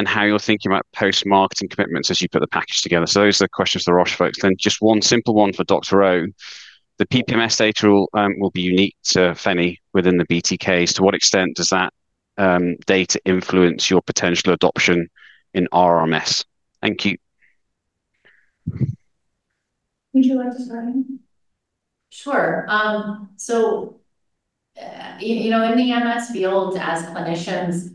How you're thinking about post-marketing commitments as you put the package together. Those are the questions for the Roche folks. Just one simple one for Dr. Oh. The PPMS data will be unique to Fenebrutinib within the BTK. To what extent does that data influence your potential adoption in RRMS? Thank you. Would you like to start? Sure. In the MS field, as clinicians,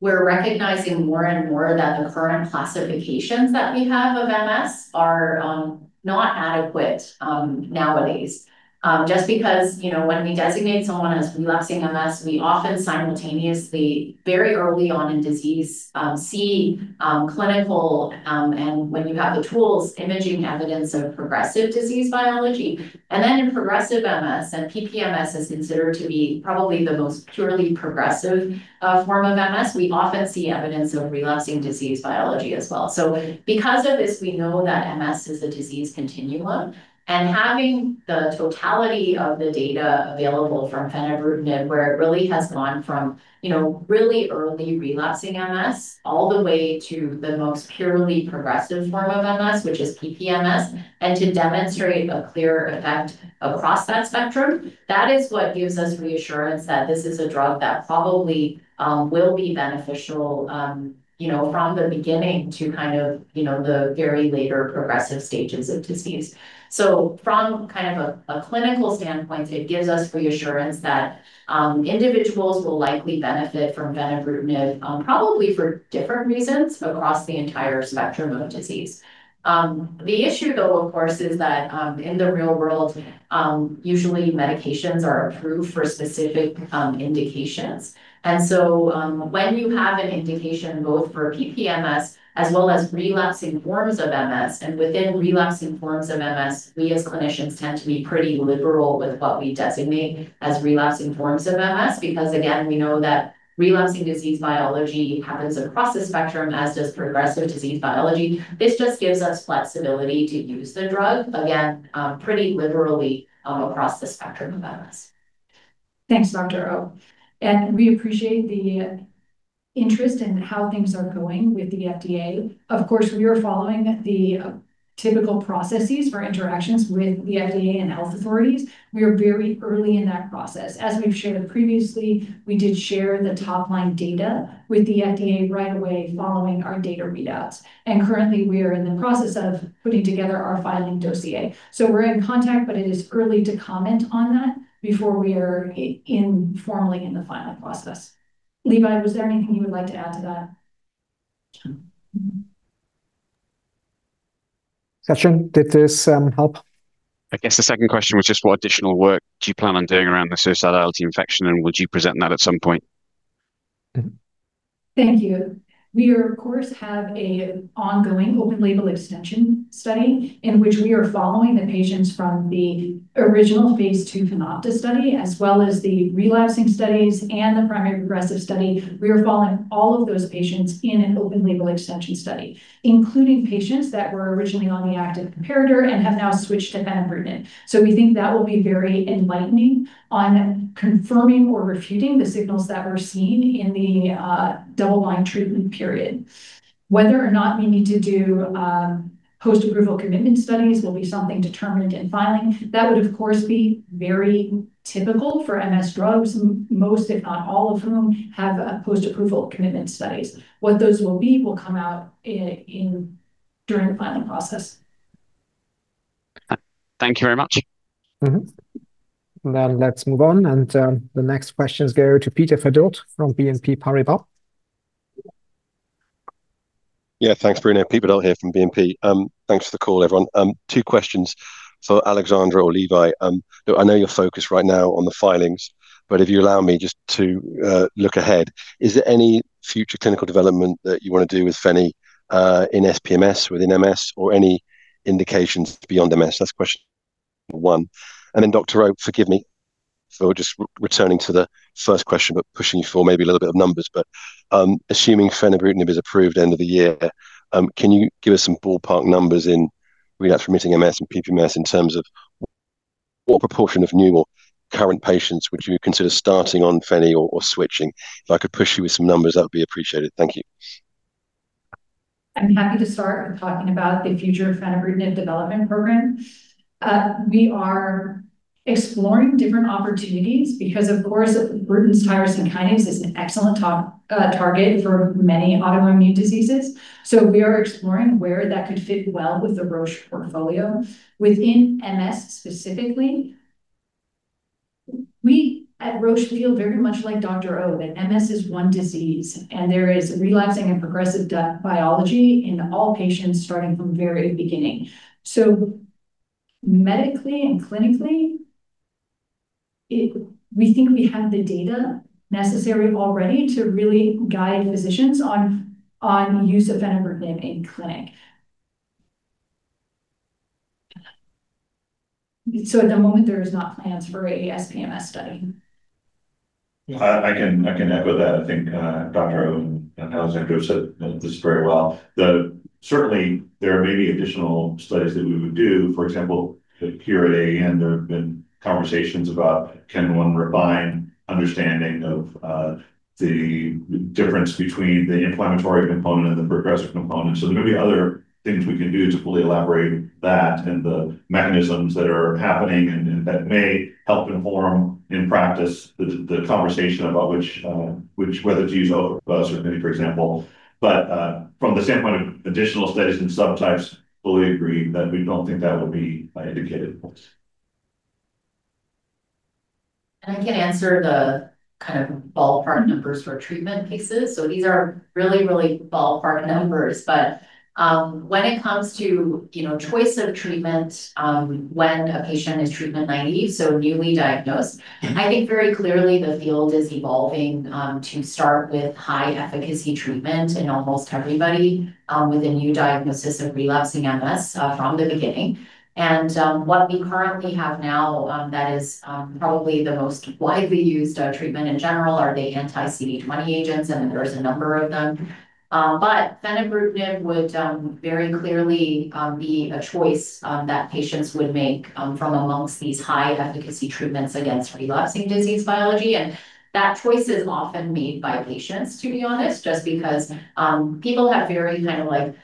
we're recognizing more and more that the current classifications that we have of MS are not adequate nowadays. Just because, when we designate someone as relapsing MS, we often simultaneously, very early on in disease, see clinical, and when you have the tools, imaging evidence of progressive disease biology. Then in progressive MS, and PPMS is considered to be probably the most purely progressive form of MS, we often see evidence of relapsing disease biology as well. Because of this, we know that MS is a disease continuum. Having the totality of the data available from Fenebrutinib, where it really has gone from really early relapsing MS all the way to the most purely progressive form of MS, which is PPMS, and to demonstrate a clear effect across that spectrum, that is what gives us reassurance that this is a drug that probably will be beneficial from the beginning to the very later progressive stages of disease. From a clinical standpoint, it gives us reassurance that individuals will likely benefit from Fenebrutinib, probably for different reasons across the entire spectrum of disease. The issue though, of course, is that in the real world, usually medications are approved for specific indications. When you have an indication both for PPMS as well as relapsing forms of MS, and within relapsing forms of MS, we, as clinicians, tend to be pretty liberal with what we designate as relapsing forms of MS, because again, we know that relapsing disease biology happens across the spectrum, as does progressive disease biology. This just gives us flexibility to use the drug, again, pretty liberally across the spectrum of MS. Thanks, Dr. Oh. We appreciate the interest in how things are going with the FDA. Of course, we are following the typical processes for interactions with the FDA and health authorities. We are very early in that process. As we've shared previously, we did share the top-line data with the FDA right away following our data readouts. Currently, we are in the process of putting together our filing dossier. We're in contact, but it is early to comment on that before we are formally in the filing process. Levi, was there anything you would like to add to that? Sachin, did this help? I guess the second question was just what additional work do you plan on doing around the suicidality, infection, and would you present that at some point? Thank you. We, of course, have an ongoing open label extension study in which we are following the patients from the original phase II FENopta study, as well as the relapsing studies and the primary progressive study. We are following all of those patients in an open label extension study, including patients that were originally on the active comparator and have now switched to Fenebrutinib. We think that will be very enlightening on confirming or refuting the signals that we're seeing in the double-blind treatment period. Whether or not we need to do post-approval commitment studies will be something determined in filing. That would, of course, be very typical for MS drugs, most, if not all of whom, have post-approval commitment studies. What those will be will come out during the filing process. Thank you very much. Let's move on, and the next questions go to Peter Verdult from BNP Paribas. Yeah, thanks, Bruno. Peter Verdult here from BNP. Thanks for the call, everyone. Two questions for Alexandra or Levi. Look, I know you're focused right now on the filings, but if you allow me just to look ahead, is there any future clinical development that you want to do with Fenebrutinib, in SPMS, within MS, or any indications beyond MS? That's question one. Dr. Oh, forgive me. Just returning to the first question, but pushing you for maybe a little bit of numbers. Assuming Fenebrutinib is approved end of the year, can you give us some ballpark numbers in relapsing remitting MS and PPMS in terms of what proportion of new or current patients would you consider starting on Fenebrutinib or switching? If I could push you with some numbers, that would be appreciated. Thank you. I'm happy to start talking about the future Fenebrutinib development program. We are exploring different opportunities because, of course, Bruton's tyrosine kinase is an excellent target for many autoimmune diseases. We are exploring where that could fit well with the Roche portfolio. Within MS specifically, we at Roche feel very much like Dr. Oh, that MS is one disease, and there is relapsing and progressive biology in all patients starting from the very beginning. Medically and clinically, we think we have the data necessary already to really guide physicians on use of Fenebrutinib in clinic. At the moment, there are no plans for a SPMS study. I can echo that. I think Dr. Garraway and Alexandra have said this very well. That certainly there may be additional studies that we would do. For example, here at AAN, there have been conversations about can one refine understanding of the difference between the inflammatory component and the progressive component. There may be other things we can do to fully elaborate that and the mechanisms that are happening, and that may help inform, in practice, the conversation about whether to use for example. From the standpoint of additional studies and subtypes, fully agree that we don't think that would be indicated. I can answer the kind of ballpark numbers for treatment cases. These are really, really ballpark numbers. When it comes to choice of treatment, when a patient is treatment-naive, so newly diagnosed, I think very clearly the field is evolving, to start with high efficacy treatment in almost everybody, with a new diagnosis of relapsing MS from the beginning. What we currently have now that is probably the most widely used treatment in general are the anti-CD20 agents, and there's a number of them. Fenebrutinib would very clearly be a choice that patients would make from amongst these high efficacy treatments against relapsing disease biology, and that choice is often made by patients, to be honest, just because people have very kind of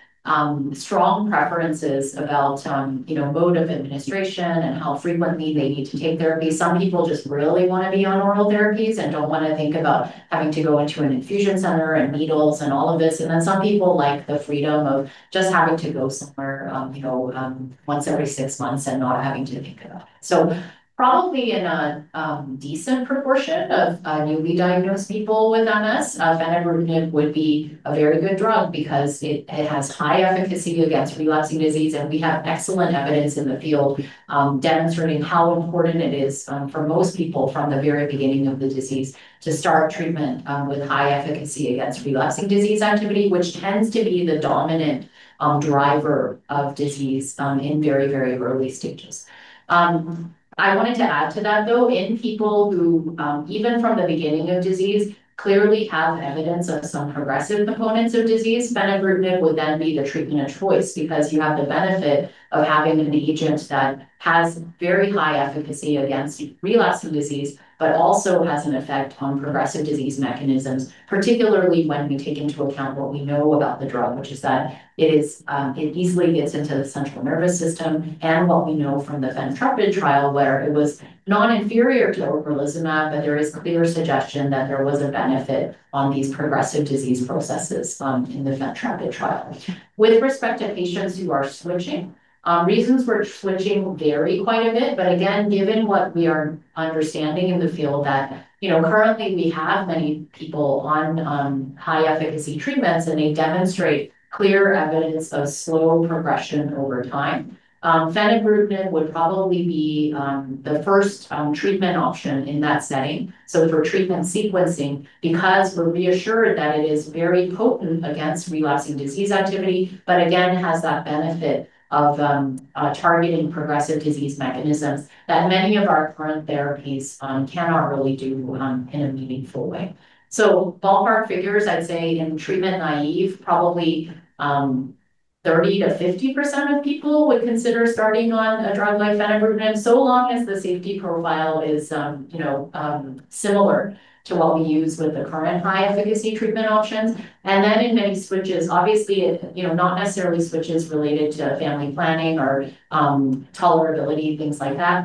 strong preferences about mode of administration and how frequently they need to take therapy. Some people just really want to be on oral therapies and don't want to think about having to go into an infusion center and needles and all of this. Then some people like the freedom of just having to go somewhere once every six months and not having to think about it. Probably in a decent proportion of newly diagnosed people with MS, Fenebrutinib would be a very good drug because it has high efficacy against relapsing disease, and we have excellent evidence in the field demonstrating how important it is for most people from the very beginning of the disease to start treatment with high efficacy against relapsing disease activity, which tends to be the dominant driver of disease in very early stages. I wanted to add to that, though, in people who, even from the beginning of disease, clearly have evidence of some progressive components of disease, Fenebrutinib would then be the treatment of choice because you have the benefit of having an agent that has very high efficacy against relapsing disease but also has an effect on progressive disease mechanisms. Particularly when we take into account what we know about the drug, which is that it easily gets into the central nervous system, and what we know from the FENtrepid trial, where it was non-inferior to ocrelizumab, but there is clear suggestion that there was a benefit on these progressive disease processes in the FENtrepid trial. With respect to patients who are switching, reasons for switching vary quite a bit. Again, given what we are understanding in the field that currently we have many people on high efficacy treatments, and they demonstrate clear evidence of slow progression over time. Fenebrutinib would probably be the first treatment option in that setting. For treatment sequencing, because we're reassured that it is very potent against relapsing disease activity, but again, has that benefit of targeting progressive disease mechanisms that many of our current therapies cannot really do in a meaningful way. Ballpark figures, I'd say in treatment naive, probably 30%-50% of people would consider starting on a drug like Fenebrutinib, so long as the safety profile is similar to what we use with the current high efficacy treatment options. In many switches, obviously, not necessarily switches related to family planning or tolerability, things like that.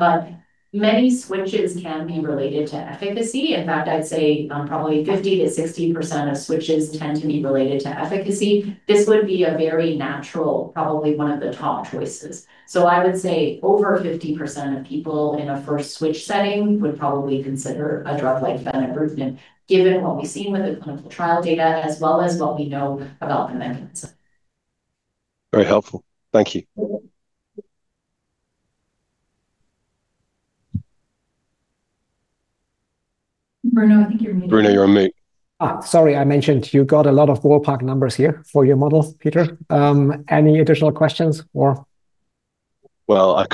Many switches can be related to efficacy. In fact, I'd say probably 50%-60% of switches tend to be related to efficacy. This would be a very natural, probably one of the top choices. I would say over 50% of people in a first switch setting would probably consider a drug like Fenebrutinib, given what we've seen with the clinical trial data as well as what we know about the mechanism. Very helpful. Thank you. Bruno, I think you're muted. Bruno, you're on mute. Sorry. I mentioned you got a lot of ballpark numbers here for your model, Peter. Any additional questions or Well, I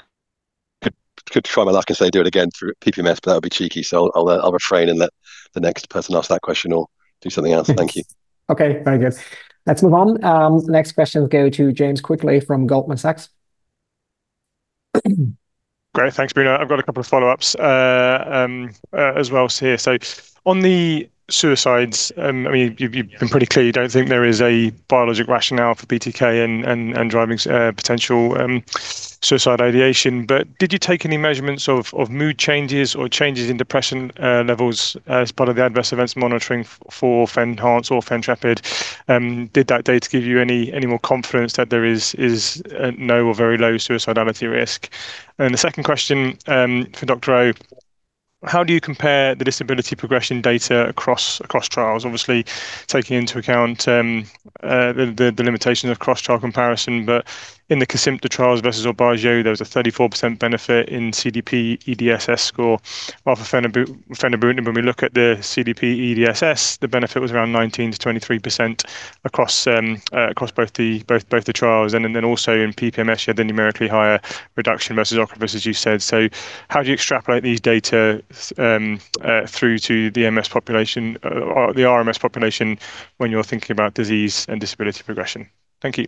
could try my luck and say, do it again through PPMS, but that would be cheeky. I'll refrain and let the next person ask that question or do something else. Thank you. Okay, very good. Let's move on. Next questions go to James Quigley from Goldman Sachs. Great. Thanks, Bruno. I've got a couple of follow-ups as well here. On the suicides, you've been pretty clear you don't think there is a biologic rationale for BTK in driving potential suicide ideation. Did you take any measurements of mood changes or changes in depression levels as part of the adverse events monitoring for FENhance or FENtrepid? Did that data give you any more confidence that there is no or very low suicidality risk? The second question for Dr. Oh. How do you compare the disability progression data across trials? Obviously taking into account the limitations of cross-trial comparison, but in the Kesimpta trials versus Aubagio, there was a 34% benefit in CDP EDSS score off of Fenebrutinib. When we look at the CDP EDSS, the benefit was around 19%-23% across both the trials. In PPMS, you had the numerically higher reduction versus Ocrevus, as you said. How do you extrapolate these data through to the RMS population when you're thinking about disease and disability progression? Thank you.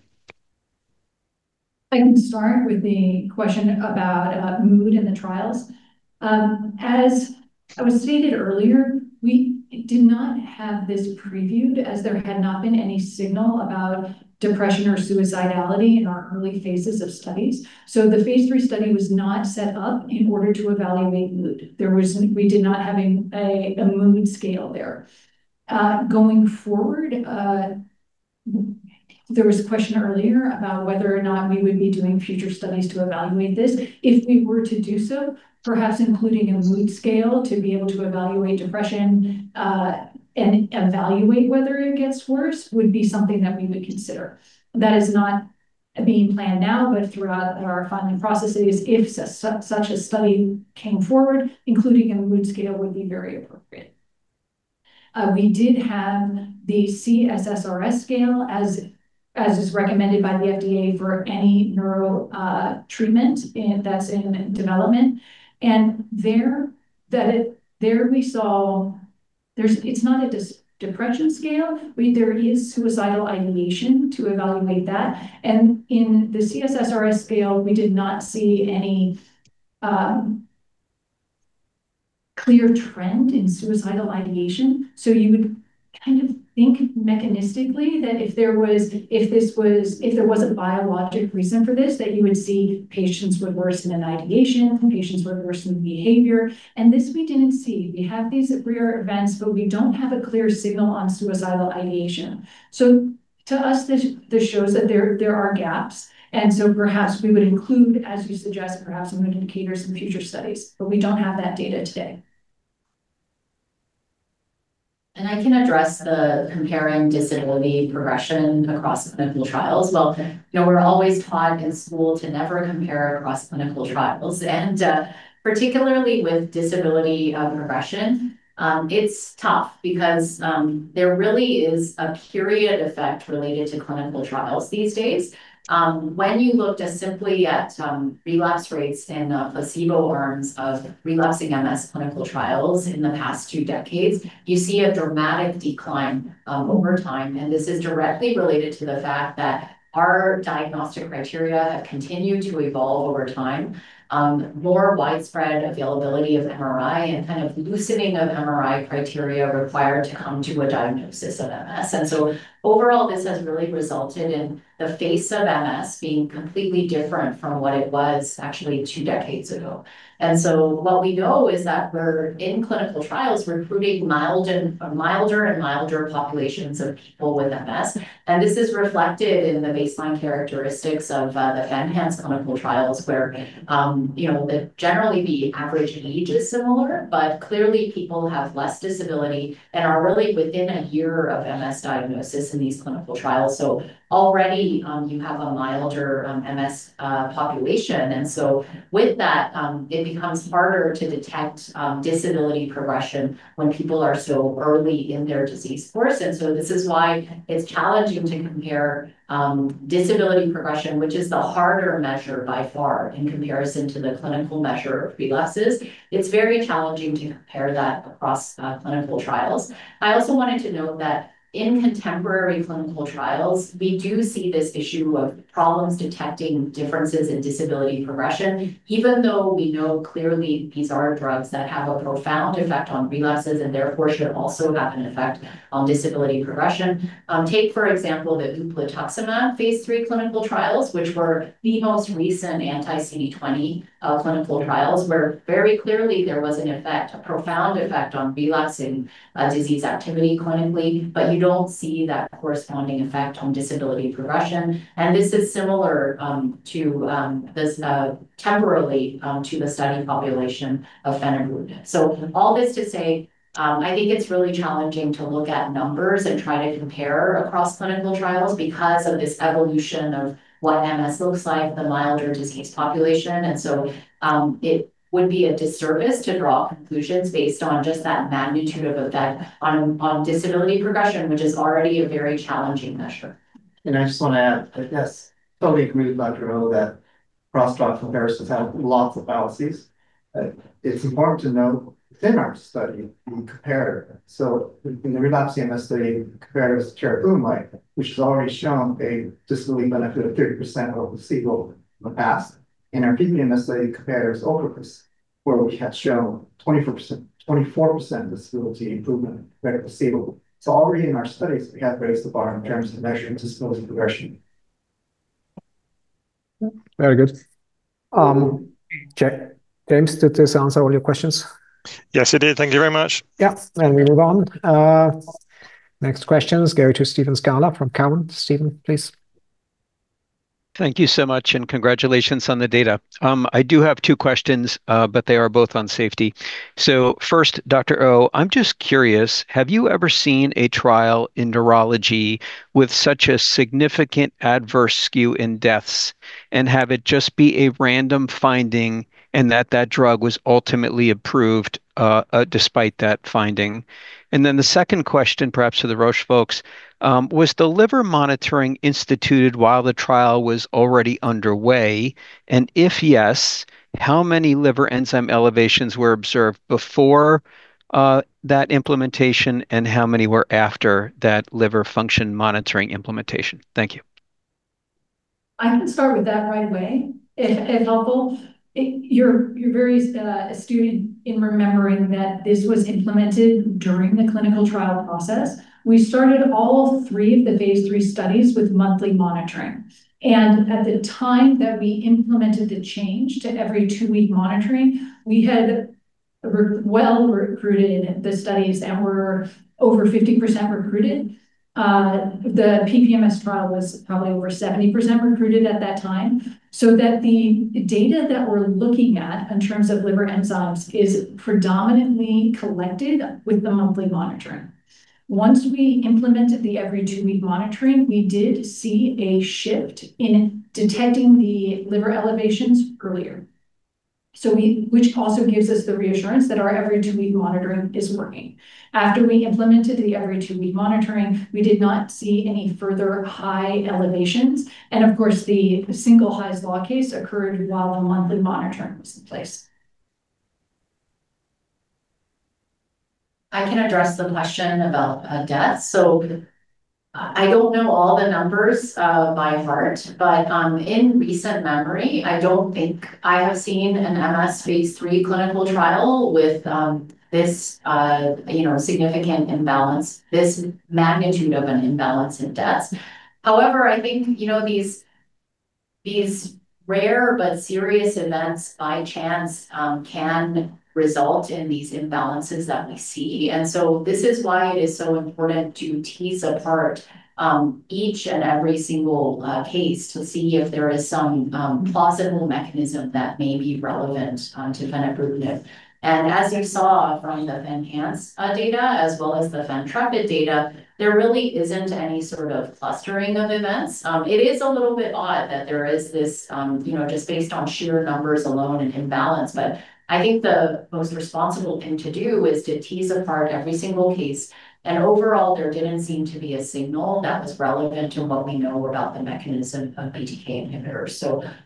I can start with the question about mood in the trials. As was stated earlier, we did not have this previewed as there had not been any signal about depression or suicidality in our early phases of studies. The phase III study was not set up in order to evaluate mood. We did not have a mood scale there. Going forward, there was a question earlier about whether or not we would be doing future studies to evaluate this. If we were to do so, perhaps including a mood scale to be able to evaluate depression, and evaluate whether it gets worse would be something that we would consider. That is not being planned now, but throughout our funding processes, if such a study came forward, including a mood scale would be very appropriate. We did have the C-SSRS scale as is recommended by the FDA for any neuro treatment that's in development. There we saw. It's not a depression scale. There is suicidal ideation to evaluate that. In the C-SSRS scale, we did not see any clear trend in suicidal ideation. You would kind of think mechanistically that if there was a biologic reason for this, that you would see patients would worsen in ideation, patients would worsen in behavior, and this we didn't see. We have these rare events, but we don't have a clear signal on suicidal ideation. To us, this shows that there are gaps, and so perhaps we would include, as you suggest, perhaps mood indicators in future studies, but we don't have that data today. I can address comparing disability progression across clinical trials. We're always taught in school to never compare across clinical trials, and particularly with disability progression, it's tough because there really is a period effect related to clinical trials these days. When you look back simply at relapse rates in placebo arms of relapsing MS clinical trials in the past two decades, you see a dramatic decline over time. This is directly related to the fact that our diagnostic criteria have continued to evolve over time, more widespread availability of MRI and kind of loosening of MRI criteria required to come to a diagnosis of MS. Overall, this has really resulted in the face of MS being completely different from what it was actually two decades ago. What we know is that we're in clinical trials recruiting milder and milder populations of people with MS. This is reflected in the baseline characteristics of the FENhance clinical trials where generally the average age is similar, but clearly people have less disability and are really within a year of MS diagnosis in these clinical trials. Already you have a milder MS population. With that, it becomes harder to detect disability progression when people are so early in their disease course. This is why it's challenging to compare disability progression, which is the harder measure by far in comparison to the clinical measure of relapses. It's very challenging to compare that across clinical trials. I also wanted to note that in contemporary clinical trials, we do see this issue of problems detecting differences in disability progression, even though we know clearly these are drugs that have a profound effect on relapses and therefore should also have an effect on disability progression. Take, for example, the ublituximab phase III clinical trials, which were the most recent anti-CD20 clinical trials, where very clearly there was an effect, a profound effect, on relapsing disease activity clinically. But you don't see that corresponding effect on disability progression. And this is similar temporally to the study population of Fenebrutinib. All this to say, I think it's really challenging to look at numbers and try to compare across clinical trials because of this evolution of what MS looks like, the milder disease population. It would be a disservice to draw conclusions based on just that magnitude of effect on disability progression, which is already a very challenging measure. I just want to add that, yes, totally agree with Dr. Oh that cross-drug comparisons have lots of fallacies. It's important to note within our study, we compare. In the relapsing MS study, the comparator is teriflunomide, which has already shown a disability benefit of 30% over placebo in the past. In our PPMS study, comparator is Ocrevus, where we have shown 24% disability improvement over placebo. Already in our studies we have raised the bar in terms of measuring disability progression. Very good. James, did this answer all your questions? Yes, it did. Thank you very much. Yeah. We move on. Next questions go to Steve Scala from Cowen. Steve, please. Thank you so much, and congratulations on the data. I do have two questions, but they are both on safety. First, Dr. Oh, I'm just curious, have you ever seen a trial in neurology with such a significant adverse skew in deaths and have it just be a random finding and that that drug was ultimately approved despite that finding? The second question, perhaps for the Roche folks, was the liver monitoring instituted while the trial was already underway? And if yes, how many liver enzyme elevations were observed before that implementation, and how many were after that liver function monitoring implementation? Thank you. I can start with that right away, if helpful. You're very astute in remembering that this was implemented during the clinical trial process. We started all three of the phase III studies with monthly monitoring, and at the time that we implemented the change to every two-week monitoring, we had well recruited the studies and were over 50% recruited. The PPMS trial was probably over 70% recruited at that time, so that the data that we're looking at in terms of liver enzymes is predominantly collected with the monthly monitoring. Once we implemented the every two-week monitoring, we did see a shift in detecting the liver elevations earlier. Which also gives us the reassurance that our every two-week monitoring is working. After we implemented the every two-week monitoring, we did not see any further high elevations, and of course, the single highest Hy's Law case occurred while the monthly monitoring was in place. I can address the question about deaths. I don't know all the numbers by heart, but in recent memory, I don't think I have seen an MS phase III clinical trial with this significant imbalance, this magnitude of an imbalance in deaths. However, I think these rare but serious events by chance can result in these imbalances that we see. This is why it is so important to tease apart each and every single case to see if there is some plausible mechanism that may be relevant to Fenebrutinib. As you saw from the FENhance data as well as the FENtrepid data, there really isn't any sort of clustering of events. It is a little bit odd that there is this, just based on sheer numbers alone and imbalance. I think the most responsible thing to do is to tease apart every single case, and overall, there didn't seem to be a signal that was relevant to what we know about the mechanism of BTK inhibitors.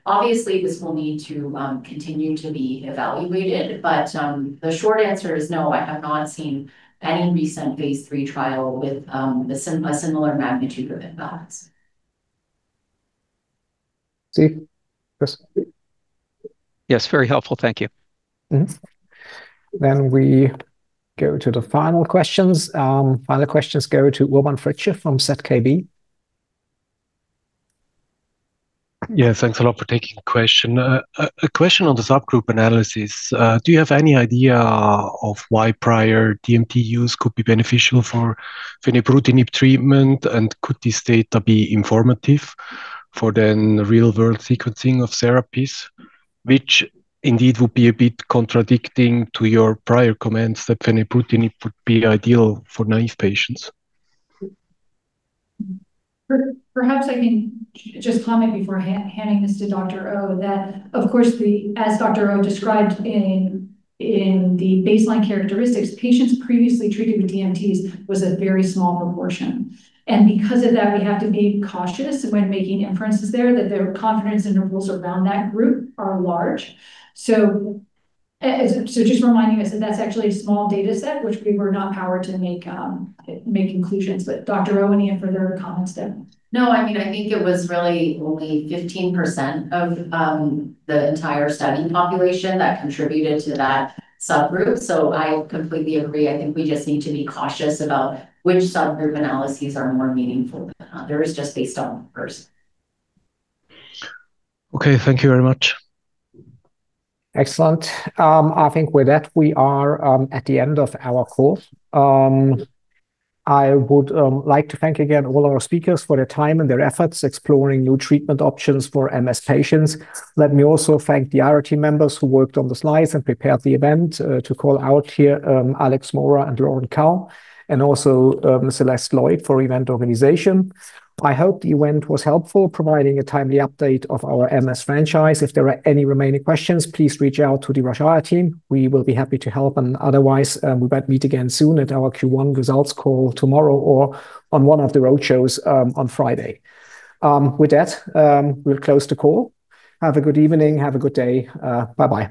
Obviously this will need to continue to be evaluated. The short answer is no. I have not seen any recent phase III trial with a similar magnitude of imbalance. Steve? Chris? Yes. Very helpful. Thank you. We go to the final questions. Final questions go to Urban Fritsche from ZKB. Yeah, thanks a lot for taking question. A question on the subgroup analysis. Do you have any idea why prior DMT use could be beneficial for Venetoclax treatment? Could this data be informative for the real-world sequencing of therapies, which indeed would be a bit contradicting to your prior comments that Venetoclax would be ideal for naive patients? Perhaps I can just comment before handing this to Dr. Oh, that of course, as Dr. Oh described in the baseline characteristics, patients previously treated with DMTs was a very small proportion. Because of that, we have to be cautious when making inferences there that the confidence intervals around that group are large. Just reminding us that that's actually a small data set, which we were not powered to make conclusions. Dr. Oh, any further comments there? No. I think it was really only 15% of the entire study population that contributed to that subgroup. I completely agree. I think we just need to be cautious about which subgroup analyses are more meaningful than others, just based on numbers. Okay. Thank you very much. Excellent. I think with that, we are at the end of our call. I would like to thank again all our speakers for their time and their efforts exploring new treatment options for MS patients. Let me also thank the IR team members who worked on the slides and prepared the event, to call out here, Alexandre Mauron and Loren Kao, and also Celeste Lloyd for event organization. I hope the event was helpful, providing a timely update of our MS franchise. If there are any remaining questions, please reach out to the Roche IR team. We will be happy to help. Otherwise, we might meet again soon at our Q1 results call tomorrow or on one of the roadshows on Friday. With that, we'll close the call. Have a good evening. Have a good day. Bye-bye.